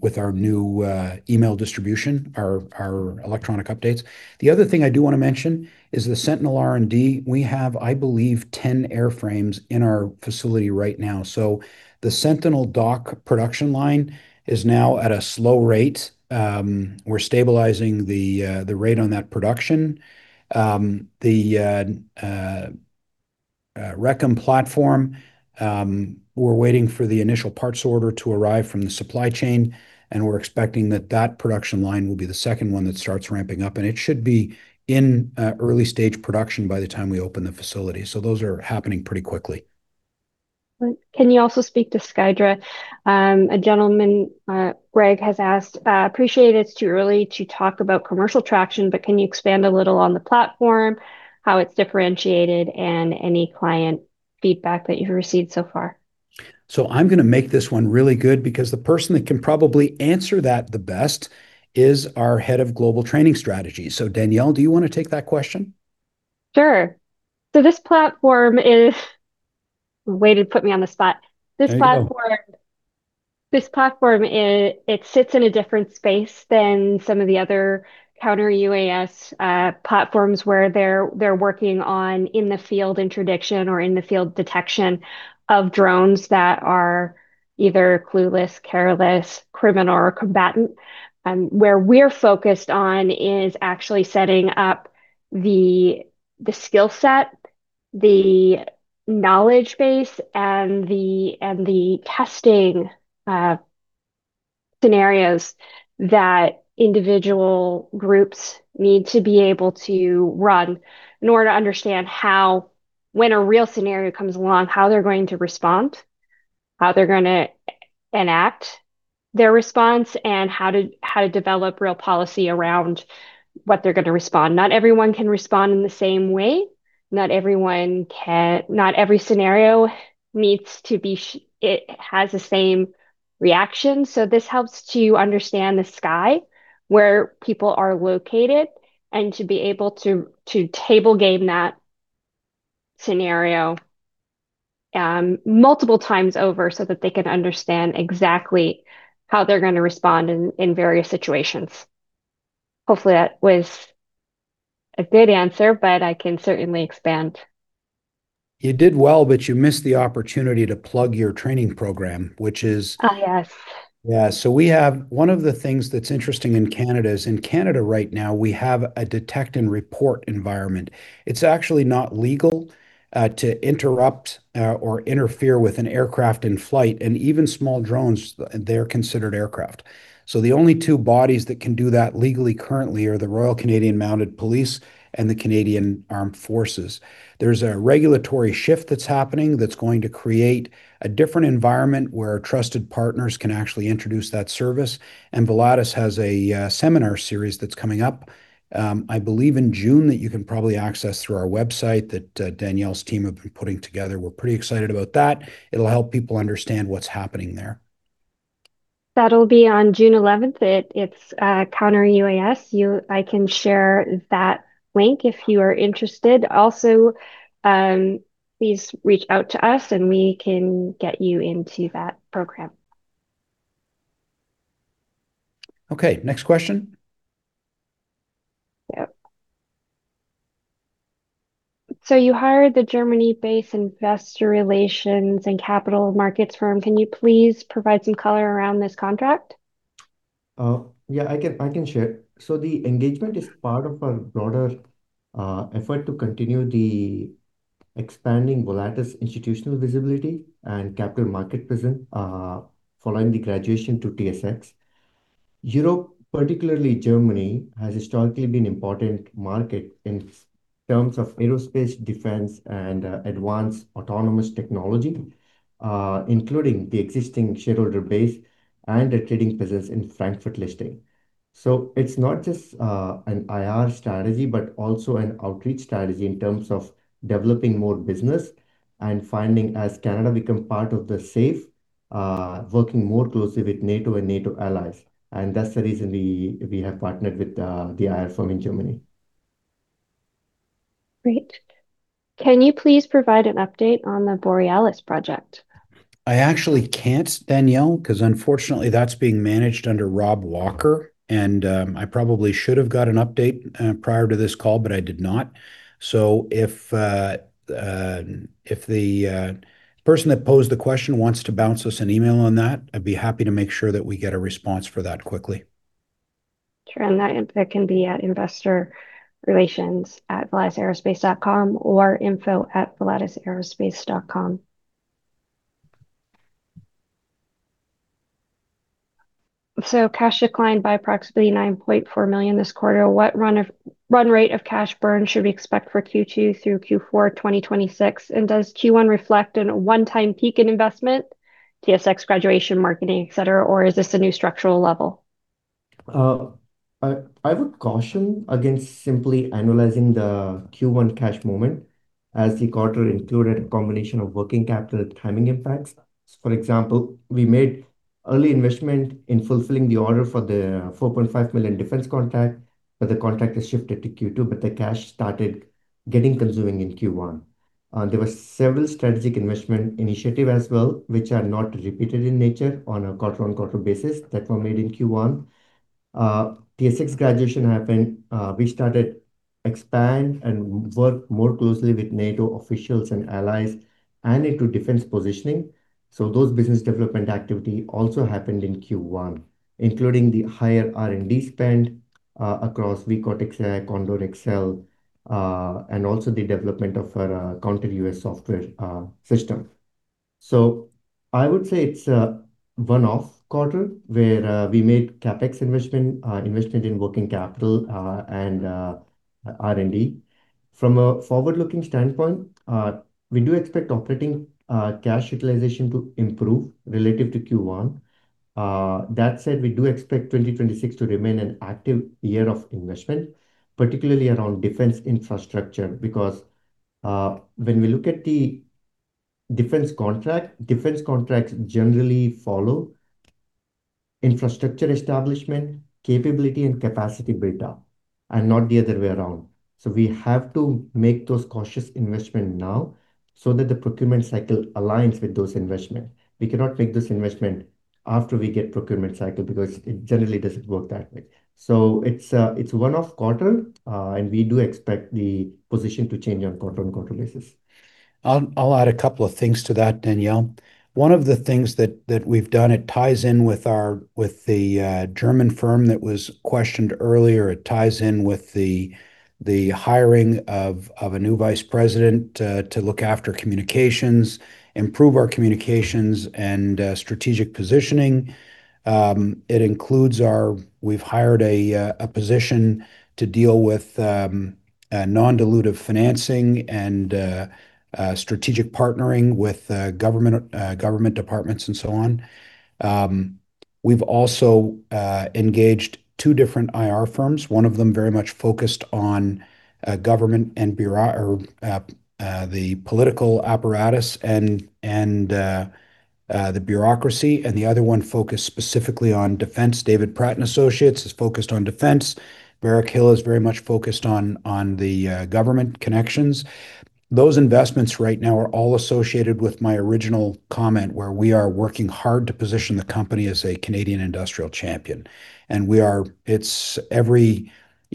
with our new email distribution, our electronic updates. The other thing I do wanna mention is the Sentinel R&D. We have, I believe, 10 airframes in our facility right now. The Sentinel Dock production line is now at a slow rate. We're stabilizing the rate on that production. The Recon platform, we're waiting for the initial parts order to arrive from the supply chain, we're expecting that that production line will be the second one that starts ramping up. It should be in early stage production by the time we open the facility. Those are happening pretty quickly. Can you also speak to SKYDRA? A gentleman, Greg, has asked, "Appreciate it's too early to talk about commercial traction, but can you expand a little on the platform, how it's differentiated, and any client feedback that you've received so far? I'm gonna make this one really good because the person that can probably answer that the best is our Head of Global Training Strategy. Danielle, do you wanna take that question? Sure. This platform is way to put me on the spot. There you go. This platform, it sits in a different space than some of the other Counter-UAS platforms where they're working on in-the-field interdiction or in-the-field detection of drones that are either clueless, careless, criminal, or combatant. Where we're focused on is actually setting up the skill set the knowledge base and the testing scenarios that individual groups need to be able to run in order to understand how when a real scenario comes along, how they're going to respond, how they're gonna enact their response, and how to develop real policy around what they're gonna respond. Not everyone can respond in the same way. Not everyone can. Not every scenario needs to be it has the same reaction. This helps to understand the sky where people are located, and to be able to table game that scenario multiple times over so that they can understand exactly how they're gonna respond in various situations. Hopefully that was a good answer, but I can certainly expand. You did well, but you missed the opportunity to plug your training program, which is. Yes. We have one of the things that's interesting in Canada is in Canada right now, we have a detect and report environment. It's actually not legal to interrupt or interfere with an aircraft in flight, and even small drones, they're considered aircraft. The only two bodies that can do that legally currently are the Royal Canadian Mounted Police and the Canadian Armed Forces. There's a regulatory shift that's happening that's going to create a different environment where trusted partners can actually introduce that service, and Volatus has a seminar series that's coming up, I believe in June, that you can probably access through our website that Danielle's team have been putting together. We're pretty excited about that. It'll help people understand what's happening there. That'll be on June 11th. It's Counter-UAS. I can share that link if you are interested. Please reach out to us, we can get you into that program. Okay. Next question. Yep. You hired the Germany-based investor relations and capital markets firm. Can you please provide some color around this contract? Yeah, I can share. The engagement is part of our broader effort to continue the expanding Volatus institutional visibility and capital market presence following the graduation to TSX. Europe, particularly Germany, has historically been important market in terms of aerospace defence and advanced autonomous technology, including the existing shareholder base and a trading presence in Frankfurt listing. It's not just an IR strategy, but also an outreach strategy in terms of developing more business and finding, as Canada become part of the safe, working more closely with NATO and NATO allies. That's the reason we have partnered with the IR firm in Germany. Great. Can you please provide an update on the Borealis project? I actually can't, Danielle, 'cause unfortunately that's being managed under Rob Walker and, I probably should have got an update, prior to this call, but I did not. If the person that posed the question wants to bounce us an email on that, I'd be happy to make sure that we get a response for that quickly. Sure. That can be at investorrelations@volatusaerospace.com or info@volatusaerospace.com. Cash declined by approximately 9.4 million this quarter. What run rate of cash burn should we expect for Q2 through Q4 2026? Does Q1 reflect an one-time peak in investment, TSX graduation marketing, et cetera, or is this a new structural level? I would caution against simply analyzing the Q1 cash moment, as the quarter included a combination of working capital and timing impacts. For example, we made early investment in fulfilling the order for the 4.5 million defence contract, but the contract has shifted to Q2, but the cash started getting consuming in Q1. There were several strategic investment initiative as well, which are not repeated in nature on a quarter on quarter basis that were made in Q1. TSX graduation happened. We started expand and work more closely with NATO officials and allies and into defence positioning. Those business development activity also happened in Q1, including the higher R&D spend across V-Cortex AI, Condor XL, and also the development of our Counter UAS software system. I would say it's a one-off quarter where we made CapEx investment in working capital, and R&D. From a forward-looking standpoint, we do expect operating cash utilization to improve relative to Q1. That said, we do expect 2026 to remain an active year of investment, particularly around defence infrastructure, because when we look at the defence contract, defence contracts generally follow infrastructure establishment, capability and capacity build-up, and not the other way around. We have to make those cautious investment now so that the procurement cycle aligns with those investment. We cannot make this investment after we get procurement cycle because it generally doesn't work that way. It's one-off quarter, and we do expect the position to change on quarter-on-quarter basis. I'll add a couple of things to that, Danielle. One of the things that we've done, it ties in with our with the German firm that was questioned earlier. It ties in with the hiring of a new Vice President to look after communications, improve our communications and strategic positioning. It includes our, we've hired a position to deal with a non-dilutive financing and strategic partnering with government departments and so on. We've also engaged two different IR firms. One of them very much focused on government and or the political apparatus and the bureaucracy, and the other one focused specifically on defence. David Pratt & Associates is focused on defence. Barrack Hill is very much focused on the government connections. Those investments right now are all associated with my original comment, where we are working hard to position the company as a Canadian industrial champion, and we are, you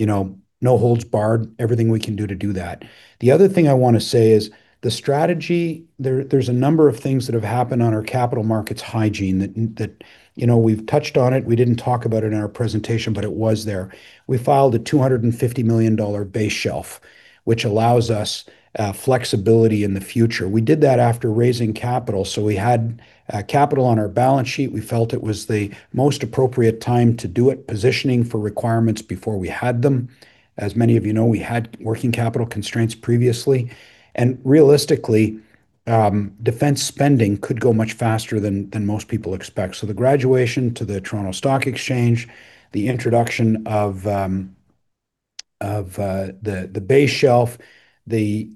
know, no holds barred, everything we can do to do that. The other thing I wanna say is the strategy, there's a number of things that have happened on our capital markets hygiene that, you know, we've touched on it. We didn't talk about it in our presentation, it was there. We filed a 250 million dollar base shelf, which allows us flexibility in the future. We did that after raising capital, we had capital on our balance sheet. We felt it was the most appropriate time to do it, positioning for requirements before we had them. As many of you know, we had working capital constraints previously. Realistically, defence spending could go much faster than most people expect. The graduation to the Toronto Stock Exchange, the introduction of the base shelf, the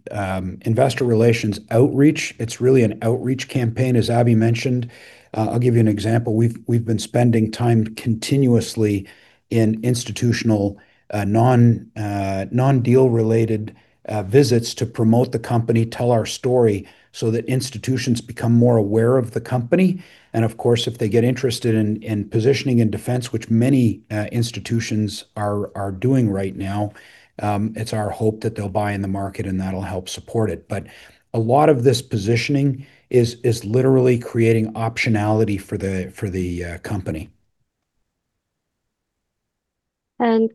investor relations outreach, it's really an outreach campaign, as Abhi mentioned. I'll give you an example. We've been spending time continuously in institutional, non-deal related visits to promote the company, tell our story, so that institutions become more aware of the company. Of course, if they get interested in positioning in defence, which many institutions are doing right now, it's our hope that they'll buy in the market, and that'll help support it. A lot of this positioning is literally creating optionality for the company.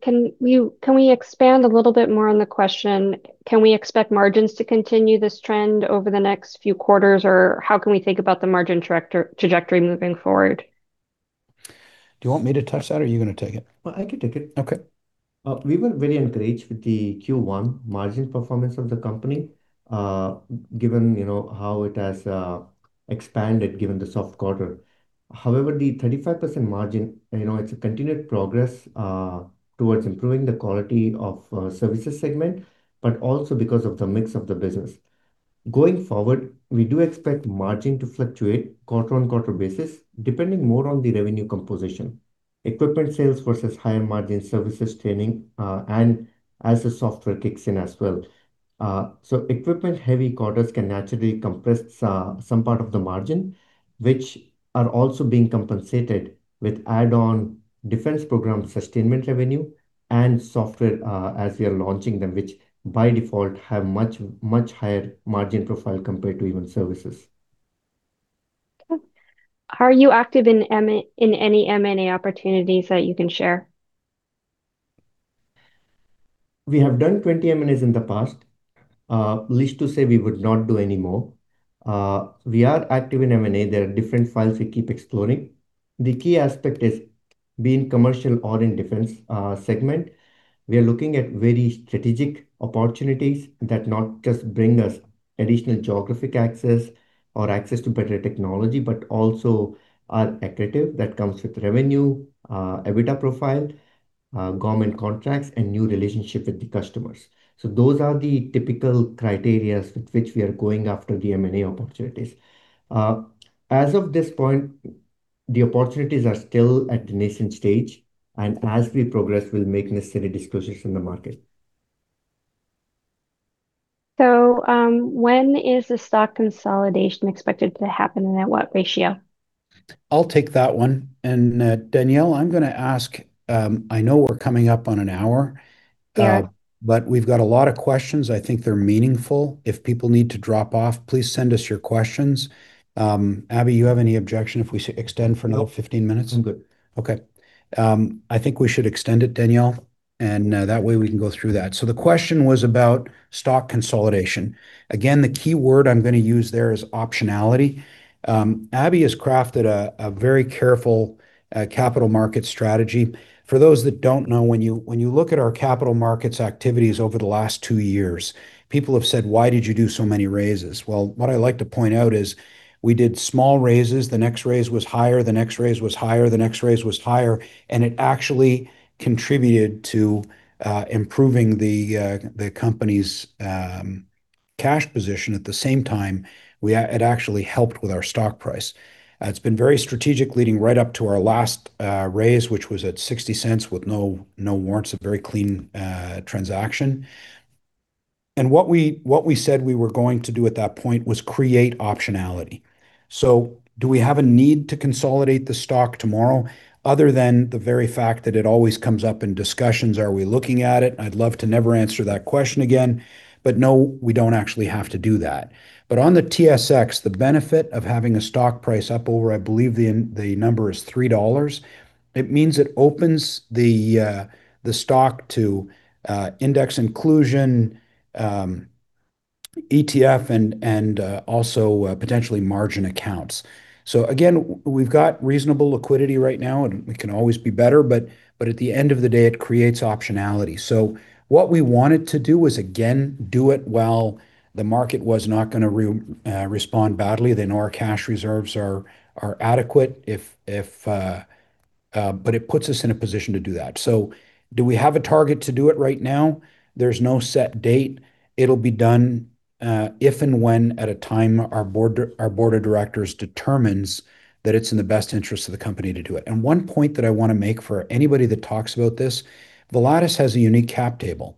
Can we expand a little bit more on the question, can we expect margins to continue this trend over the next few quarters? Or how can we think about the margin trajectory moving forward? Do you want me to touch that, or are you gonna take it? Well, I can take it. Okay. We were very encouraged with the Q1 margin performance of the company, given how it has expanded, given the soft quarter. However, the 35% margin, it's a continued progress towards improving the quality of services segment but also because of the mix of the business. Going forward, we do expect margin to fluctuate quarter-on-quarter basis, depending more on the revenue composition. Equipment sales versus higher margin services training, and as the software kicks in as well. Equipment-heavy quarters can naturally compress some part of the margin, which are also being compensated with add-on defence program sustainment revenue and software, as we are launching them, which by default have much, much higher margin profile compared to even services. Okay. Are you active in any M&A opportunities that you can share? We have done 20 M&As in the past, least to say we would not do any more. We are active in M&A. There are different files we keep exploring. The key aspect is, be in commercial or in defence segment, we are looking at very strategic opportunities that not just bring us additional geographic access or access to better technology but also are accretive that comes with revenue, EBITDA profile, government contracts, and new relationship with the customers. Those are the typical criteria with which we are going after the M&A opportunities. As of this point, the opportunities are still at the nascent stage, and as we progress, we'll make necessary disclosures in the market. When is the stock consolidation expected to happen, and at what ratio? I'll take that one. Danielle, I'm gonna ask, I know we're coming up on an hour. Yeah. We've got a lot of questions. I think they're meaningful. If people need to drop off, please send us your questions. Abhi, you have any objection if we extend for another 15 minutes? Nope. I'm good. I think we should extend it, Danielle, and that way we can go through that. The question was about stock consolidation. The key word I'm gonna use there is optionality. Abhi has crafted a very careful capital market strategy. For those that don't know, when you look at our capital markets activities over the last two years, people have said, "Why did you do so many raises?" What I like to point out is we did small raises. The next raise was higher, the next raise was higher, the next raise was higher, and it actually contributed to improving the company's cash position. At the same time, it actually helped with our stock price. It's been very strategic leading right up to our last raise, which was at 0.60 with no warrants, a very clean transaction. What we said we were going to do at that point was create optionality. Do we have a need to consolidate the stock tomorrow other than the very fact that it always comes up in discussions? Are we looking at it? I'd love to never answer that question again. No, we don't actually have to do that. On the TSX, the benefit of having a stock price up over, I believe the number is 3 dollars, it means it opens the stock to index inclusion, ETF and also potentially margin accounts. Again, we've got reasonable liquidity right now, and we can always be better, but at the end of the day it creates optionality. What we wanted to do was, again, do it while the market was not gonna respond badly. They know our cash reserves are adequate if, but it puts us in a position to do that. Do we have a target to do it right now? There's no set date. It'll be done if and when at a time our board of directors determines that it's in the best interest of the company to do it. One point that I wanna make for anybody that talks about this, Volatus has a unique cap table.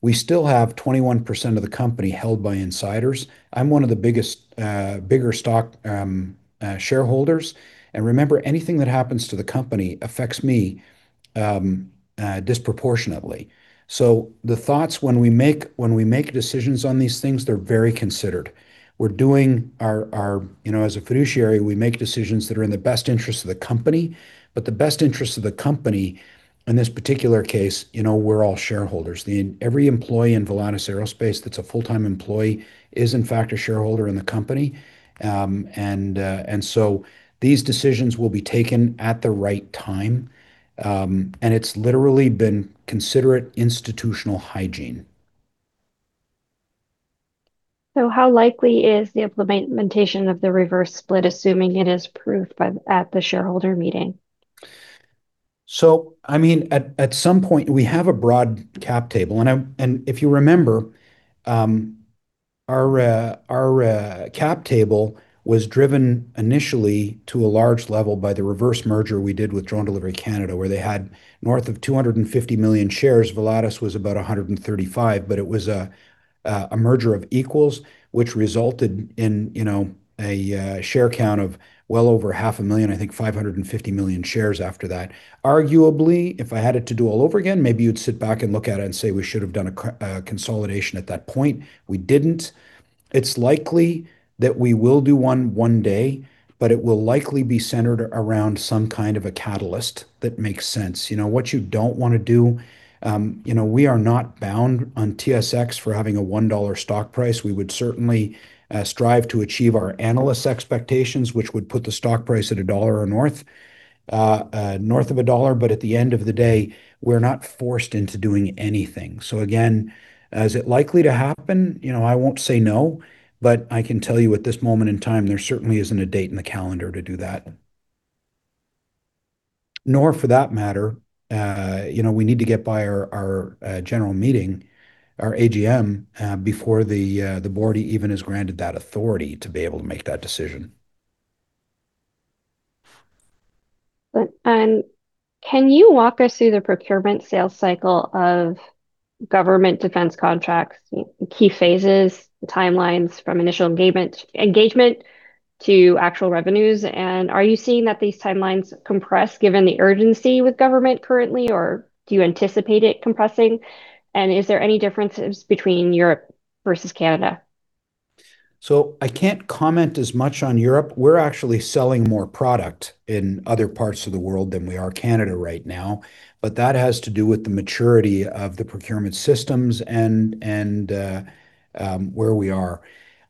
We still have 21% of the company held by insiders. I'm one of the bigger stock shareholders. Remember, anything that happens to the company affects me disproportionately. The thoughts when we make decisions on these things, they're very considered. We're doing our, you know, as a fiduciary, we make decisions that are in the best interest of the company. The best interest of the company in this particular case, you know, we're all shareholders. Every employee in Volatus Aerospace that's a full-time employee is in fact a shareholder in the company. These decisions will be taken at the right time. It's literally been considerate institutional hygiene. How likely is the implementation of the reverse split, assuming it is approved at the shareholder meeting? At some point we have a broad cap table. If you remember, our cap table was driven initially to a large level by the reverse merger we did with Drone Delivery Canada, where they had north of 250 million shares. Volatus was about 135 million, but it was a merger of equals, which resulted in, you know, a share count of well over half a million, I think 550 million shares after that. Arguably, if I had it to do all over again, maybe you'd sit back and look at it and say we should have done a consolidation at that point. We didn't. It's likely that we will do one day, but it will likely be centered around some kind of a catalyst that makes sense. You know, what you don't wanna do. You know, we are not bound on TSX for having a 1 dollar stock price. We would certainly strive to achieve our analysts' expectations, which would put the stock price at CAD 1 or north of CAD 1. At the end of the day, we're not forced into doing anything. Again, is it likely to happen? You know, I won't say no. I can tell you at this moment in time, there certainly isn't a date in the calendar to do that. Nor for that matter, you know, we need to get by our general meeting, our AGM, before the board even is granted that authority to be able to make that decision. Can you walk us through the procurement sales cycle of government defence contracts, key phases, timelines from initial engagement to actual revenues? Are you seeing that these timelines compress given the urgency with government currently, or do you anticipate it compressing? Is there any differences between Europe versus Canada? I can't comment as much on Europe. We're actually selling more product in other parts of the world than we are Canada right now. That has to do with the maturity of the procurement systems and, where we are.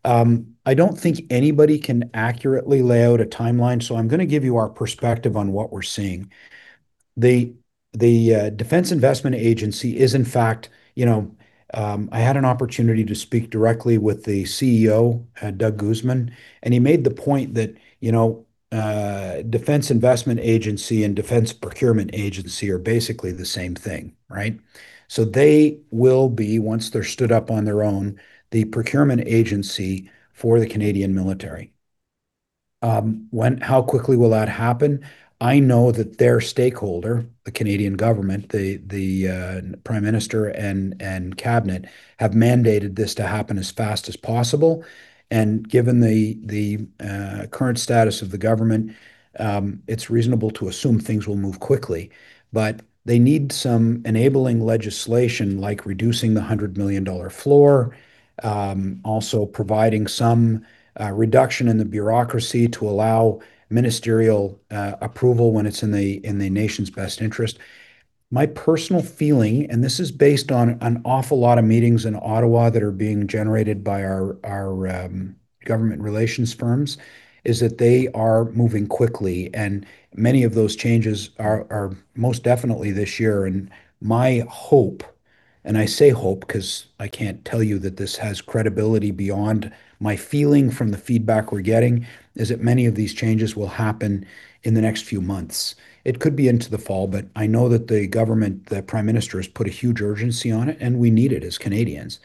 I don't think anybody can accurately lay out a timeline. I'm gonna give you our perspective on what we're seeing. The Defence Investment Agency is in fact, you know, I had an opportunity to speak directly with the CEO, Doug Guzman, and he made the point that, you know, Defence Investment Agency and Defence Procurement Agency are basically the same thing, right? They will be, once they're stood up on their own, the procurement agency for the Canadian military. How quickly will that happen? I know that their stakeholder, the Canadian government, the prime minister and cabinet, have mandated this to happen as fast as possible. Given the current status of the government, it's reasonable to assume things will move quickly. They need some enabling legislation like reducing the 100 million dollar floor, also providing some reduction in the bureaucracy to allow ministerial approval when it's in the nation's best interest. My personal feeling, and this is based on an awful lot of meetings in Ottawa that are being generated by our government relations firms, is that they are moving quickly, and many of those changes are most definitely this year. My hope, and I say hope ’cause I can't tell you that this has credibility beyond my feeling from the feedback we're getting, is that many of these changes will happen in the next few months. It could be into the fall, I know that the government, the Prime Minister has put a huge urgency on it, and we need it as Canadians.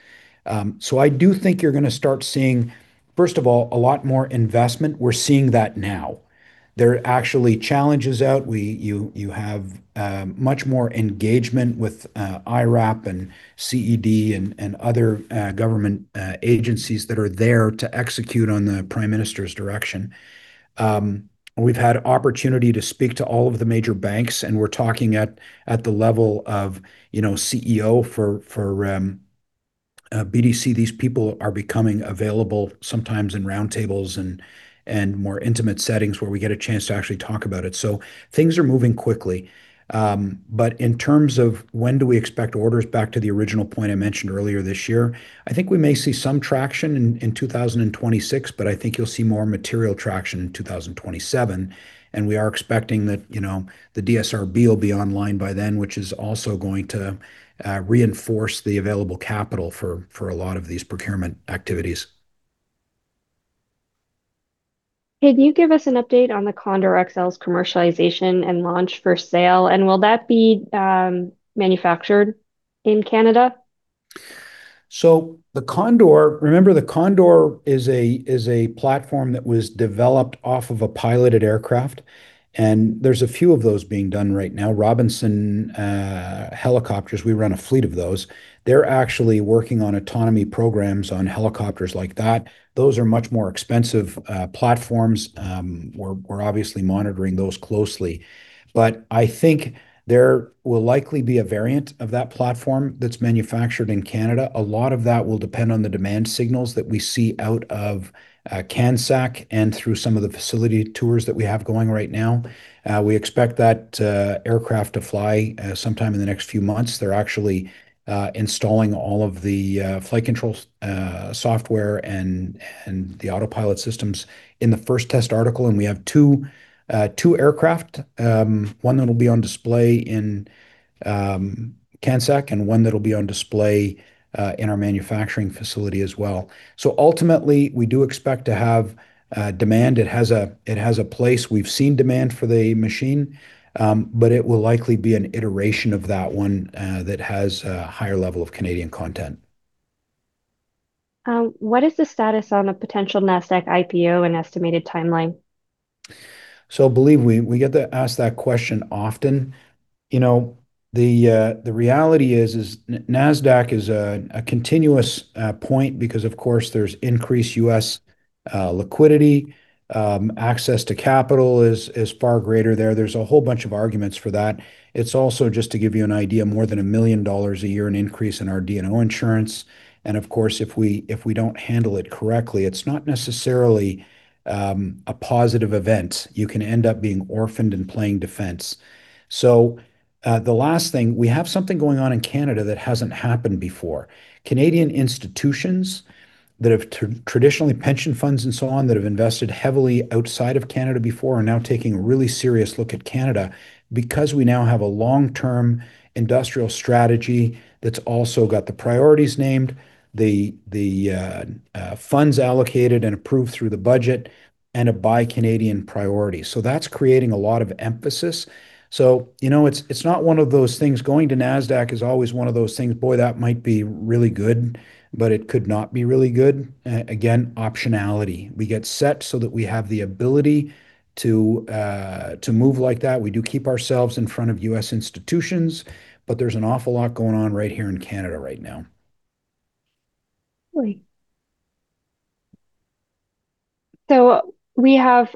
I do think you're gonna start seeing. First of all, a lot more investment. We're seeing that now. There are actually challenges out. You have much more engagement with IRAP and CED and other government agencies that are there to execute on the Prime Minister's direction. We've had opportunity to speak to all of the major banks, and we're talking at the level of, you know, CEO for BDC. These people are becoming available sometimes in roundtables and more intimate settings where we get a chance to actually talk about it. Things are moving quickly, but in terms of when do we expect orders, back to the original point I mentioned earlier this year, I think we may see some traction in 2026, but I think you'll see more material traction in 2027. We are expecting that, you know, the DSRB will be online by then, which is also going to reinforce the available capital for a lot of these procurement activities. Can you give us an update on the Condor XL's commercialization and launch for sale? And will that be manufactured in Canada? The Condor. Remember, the Condor is a platform that was developed off of a piloted aircraft, and there's a few of those being done right now. Robinson Helicopters, we run a fleet of those. They're actually working on autonomy programs on helicopters like that. Those are much more expensive platforms. We're obviously monitoring those closely. I think there will likely be a variant of that platform that's manufactured in Canada. A lot of that will depend on the demand signals that we see out of CANSEC and through some of the facility tours that we have going right now. We expect that aircraft to fly sometime in the next few months. They're actually installing all of the flight control software and the autopilot systems in the first test article. We have two aircraft, one that'll be on display in CANSEC, and one that'll be on display in our manufacturing facility as well. Ultimately, we do expect to have demand. It has a, it has a place. We've seen demand for the machine, but it will likely be an iteration of that one that has a higher level of Canadian content. What is the status on a potential Nasdaq IPO and estimated timeline? Believe we get that Nasdaq question often. You know, the reality is, Nasdaq is a continuous point because of course there's increased U.S. liquidity. Access to capital is far greater there. There's a whole bunch of arguments for that. It's also, just to give you an idea, more than 1 million dollars a year in increase in our D&O insurance. Of course, if we don't handle it correctly, it's not necessarily a positive event. You can end up being orphaned and playing defence. The last thing, we have something going on in Canada that hasn't happened before. Canadian institutions that have traditionally pension funds and so on, that have invested heavily outside of Canada before are now taking a really serious look at Canada because we now have a long-term industrial strategy that's also got the priorities named, the funds allocated and approved through the budget, and a Buy Canadian priority. That's creating a lot of emphasis. You know, it's not one of those things. Going to Nasdaq is always one of those things, boy, that might be really good, but it could not be really good. Again, optionality. We get set so that we have the ability to move like that. We do keep ourselves in front of U.S. institutions, but there's an awful lot going on right here in Canada right now. Great. We have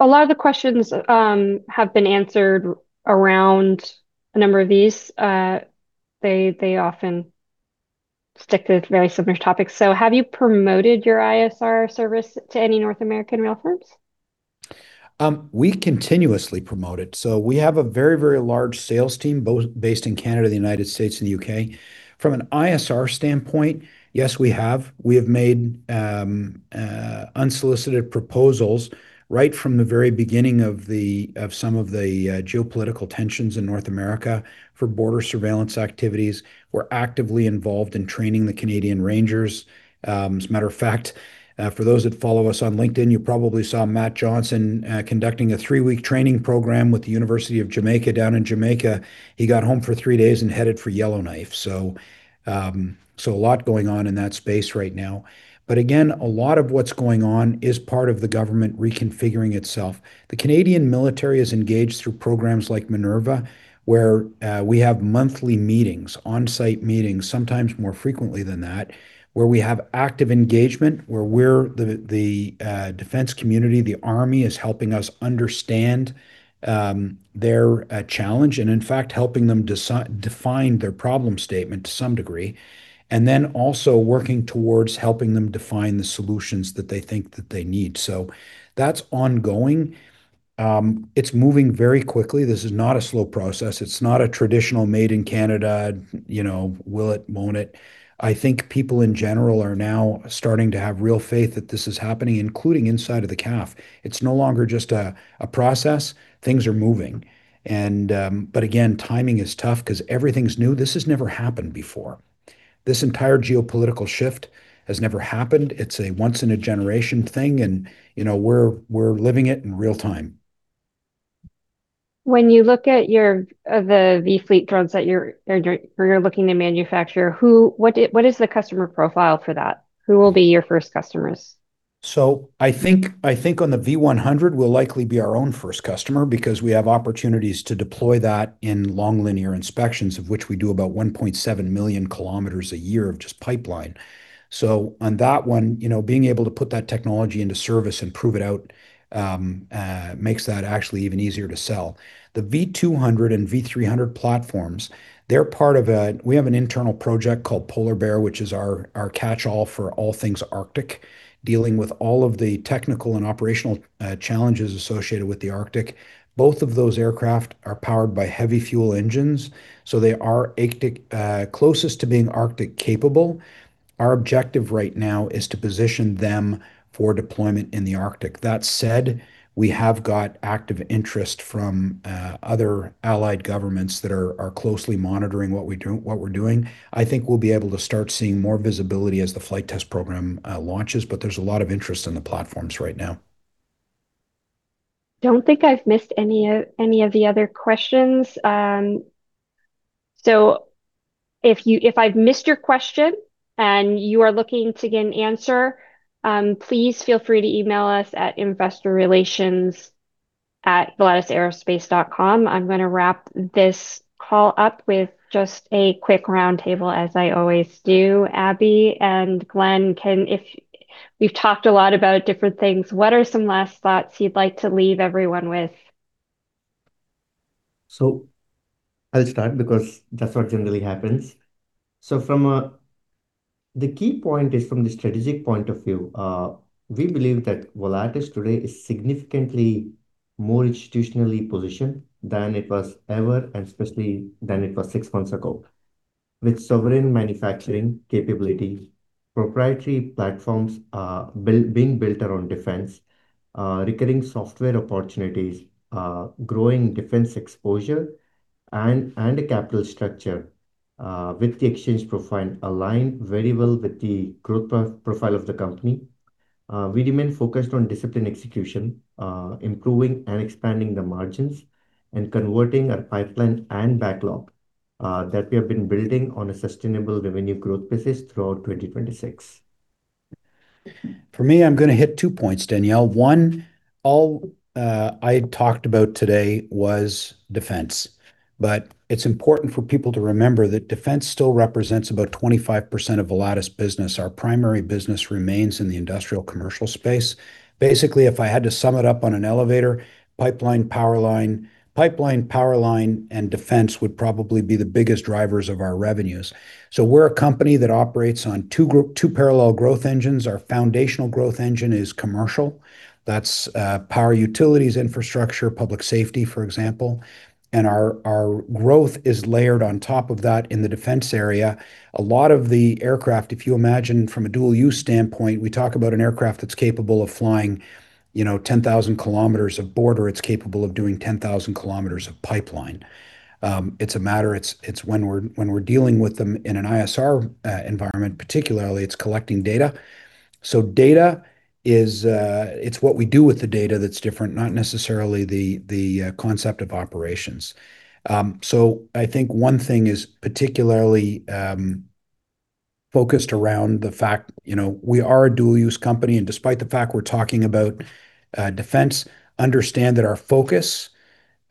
a lot of the questions have been answered around a number of these. They often stick to very similar topics. Have you promoted your ISR service to any North American rail firms? We continuously promote it. We have a very, very large sales team based in Canada, the United States, and the U.K. From an ISR standpoint, yes, we have. We have made unsolicited proposals right from the very beginning of some of the geopolitical tensions in North America for border surveillance activities. We're actively involved in training the Canadian Rangers. As a matter of fact, for those that follow us on LinkedIn, you probably saw Matt Johnson conducting a three-week training program with the University of the West Indies at Mona down in Jamaica. He got home for three days and headed for Yellowknife. A lot going on in that space right now. But again, a lot of what's going on is part of the government reconfiguring itself. The Canadian military is engaged through programs like MINERVA, where we have monthly meetings, on-site meetings, sometimes more frequently than that, where we have active engagement, where we're the defence community, the army is helping us understand their challenge, and in fact, helping them define their problem statement to some degree, and then also working towards helping them define the solutions that they think that they need. That's ongoing. It's moving very quickly. This is not a slow process. It's not a traditional made in Canada, you know, will it, won't it? I think people in general are now starting to have real faith that this is happening, including inside of the CAF. It's no longer just a process. Things are moving. Again, timing is tough 'cause everything's new. This has never happened before. This entire geopolitical shift has never happened. It's a once in a generation thing and, you know, we're living it in real time. When you look at your, the V-fleet drones that you're looking to manufacture, who what is the customer profile for that? Who will be your first customers? I think on the V100, we'll likely be our own first customer because we have opportunities to deploy that in long linear inspections, of which we do about 1.7 million km a year of just pipeline. On that one, you know, being able to put that technology into service and prove it out, makes that actually even easier to sell. The V200 and V300 platforms, we have an internal project called Polar Bear, which is our catchall for all things Arctic, dealing with all of the technical and operational challenges associated with the Arctic. Both of those aircraft are powered by heavy fuel engines, so they are Arctic, closest to being Arctic capable. Our objective right now is to position them for deployment in the Arctic. That said, we have got active interest from other allied governments that are closely monitoring what we're doing. I think we'll be able to start seeing more visibility as the flight test program launches, but there's a lot of interest in the platforms right now. Don't think I've missed any of the other questions. If I've missed your question and you are looking to get an answer, please feel free to email us at investorrelations@volatusaerospace.com. I'm gonna wrap this call up with just a quick roundtable as I always do. Abhi and Glen can if we've talked a lot about different things, what are some last thoughts you'd like to leave everyone with? I'll start because that's what generally happens. The key point is from the strategic point of view, we believe that Volatus today is significantly more institutionally positioned than it was ever, and especially than it was six months ago. With sovereign manufacturing capabilities, proprietary platforms, being built around defence, recurring software opportunities, growing defence exposure and a capital structure, with the exchange profile aligned very well with the growth profile of the company. We remain focused on disciplined execution, improving and expanding the margins and converting our pipeline and backlog, that we have been building on a sustainable revenue growth basis throughout 2026. For me, I'm gonna hit two points, Danielle. One, all I talked about today was defence. It's important for people to remember that defence still represents about 25% of Volatus business. Our primary business remains in the industrial commercial space. Basically, if I had to sum it up on an elevator, pipeline, power line. Pipeline, power line, and defence would probably be the biggest drivers of our revenues. We're a company that operates on two parallel growth engines. Our foundational growth engine is commercial. That's power utilities infrastructure, public safety, for example. Our growth is layered on top of that in the defence area. A lot of the aircraft, if you imagine from a dual use standpoint, we talk about an aircraft that's capable of flying, you know, 10,000 km of border, it's capable of doing 10,000 km of pipeline. It's a matter, it's when we're dealing with them in an ISR environment particularly, it's collecting data. Data is, it's what we do with the data that's different, not necessarily the concept of operations. I think one thing is particularly focused around the fact, you know, we are a dual use company, and despite the fact we're talking about defence, understand that our focus,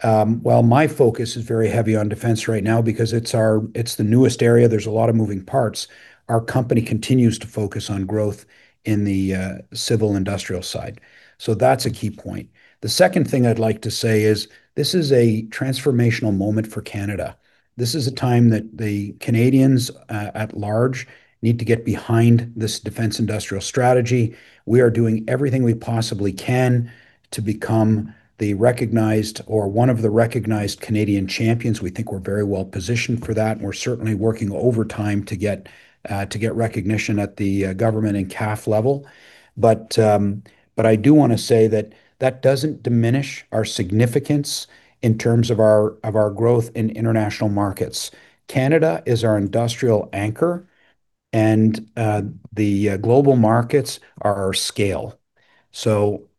while my focus is very heavy on defence right now because it's the newest area, there's a lot of moving parts, our company continues to focus on growth in the civil industrial side. That's a key point. The second thing I'd like to say is this is a transformational moment for Canada. This is a time that the Canadians at large need to get behind this Defence Industrial Strategy. We are doing everything we possibly can to become the recognized or one of the recognized Canadian champions. We think we're very well positioned for that, we're certainly working overtime to get recognition at the government and CAF level. I do wanna say that that doesn't diminish our significance in terms of our growth in international markets. Canada is our industrial anchor, the global markets are our scale.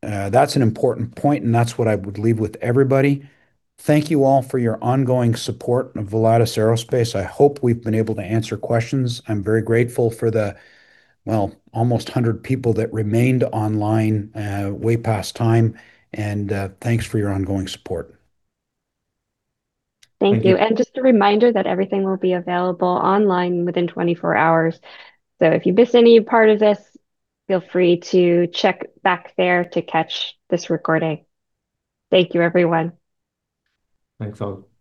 That's an important point, that's what I would leave with everybody. Thank you all for your ongoing support of Volatus Aerospace. I hope we've been able to answer questions. I'm very grateful for the, well, almost 100 people that remained online way past time, thanks for your ongoing support. Thank you. Just a reminder that everything will be available online within 24 hours. If you missed any part of this, feel free to check back there to catch this recording. Thank you, everyone. Thanks all. Bye.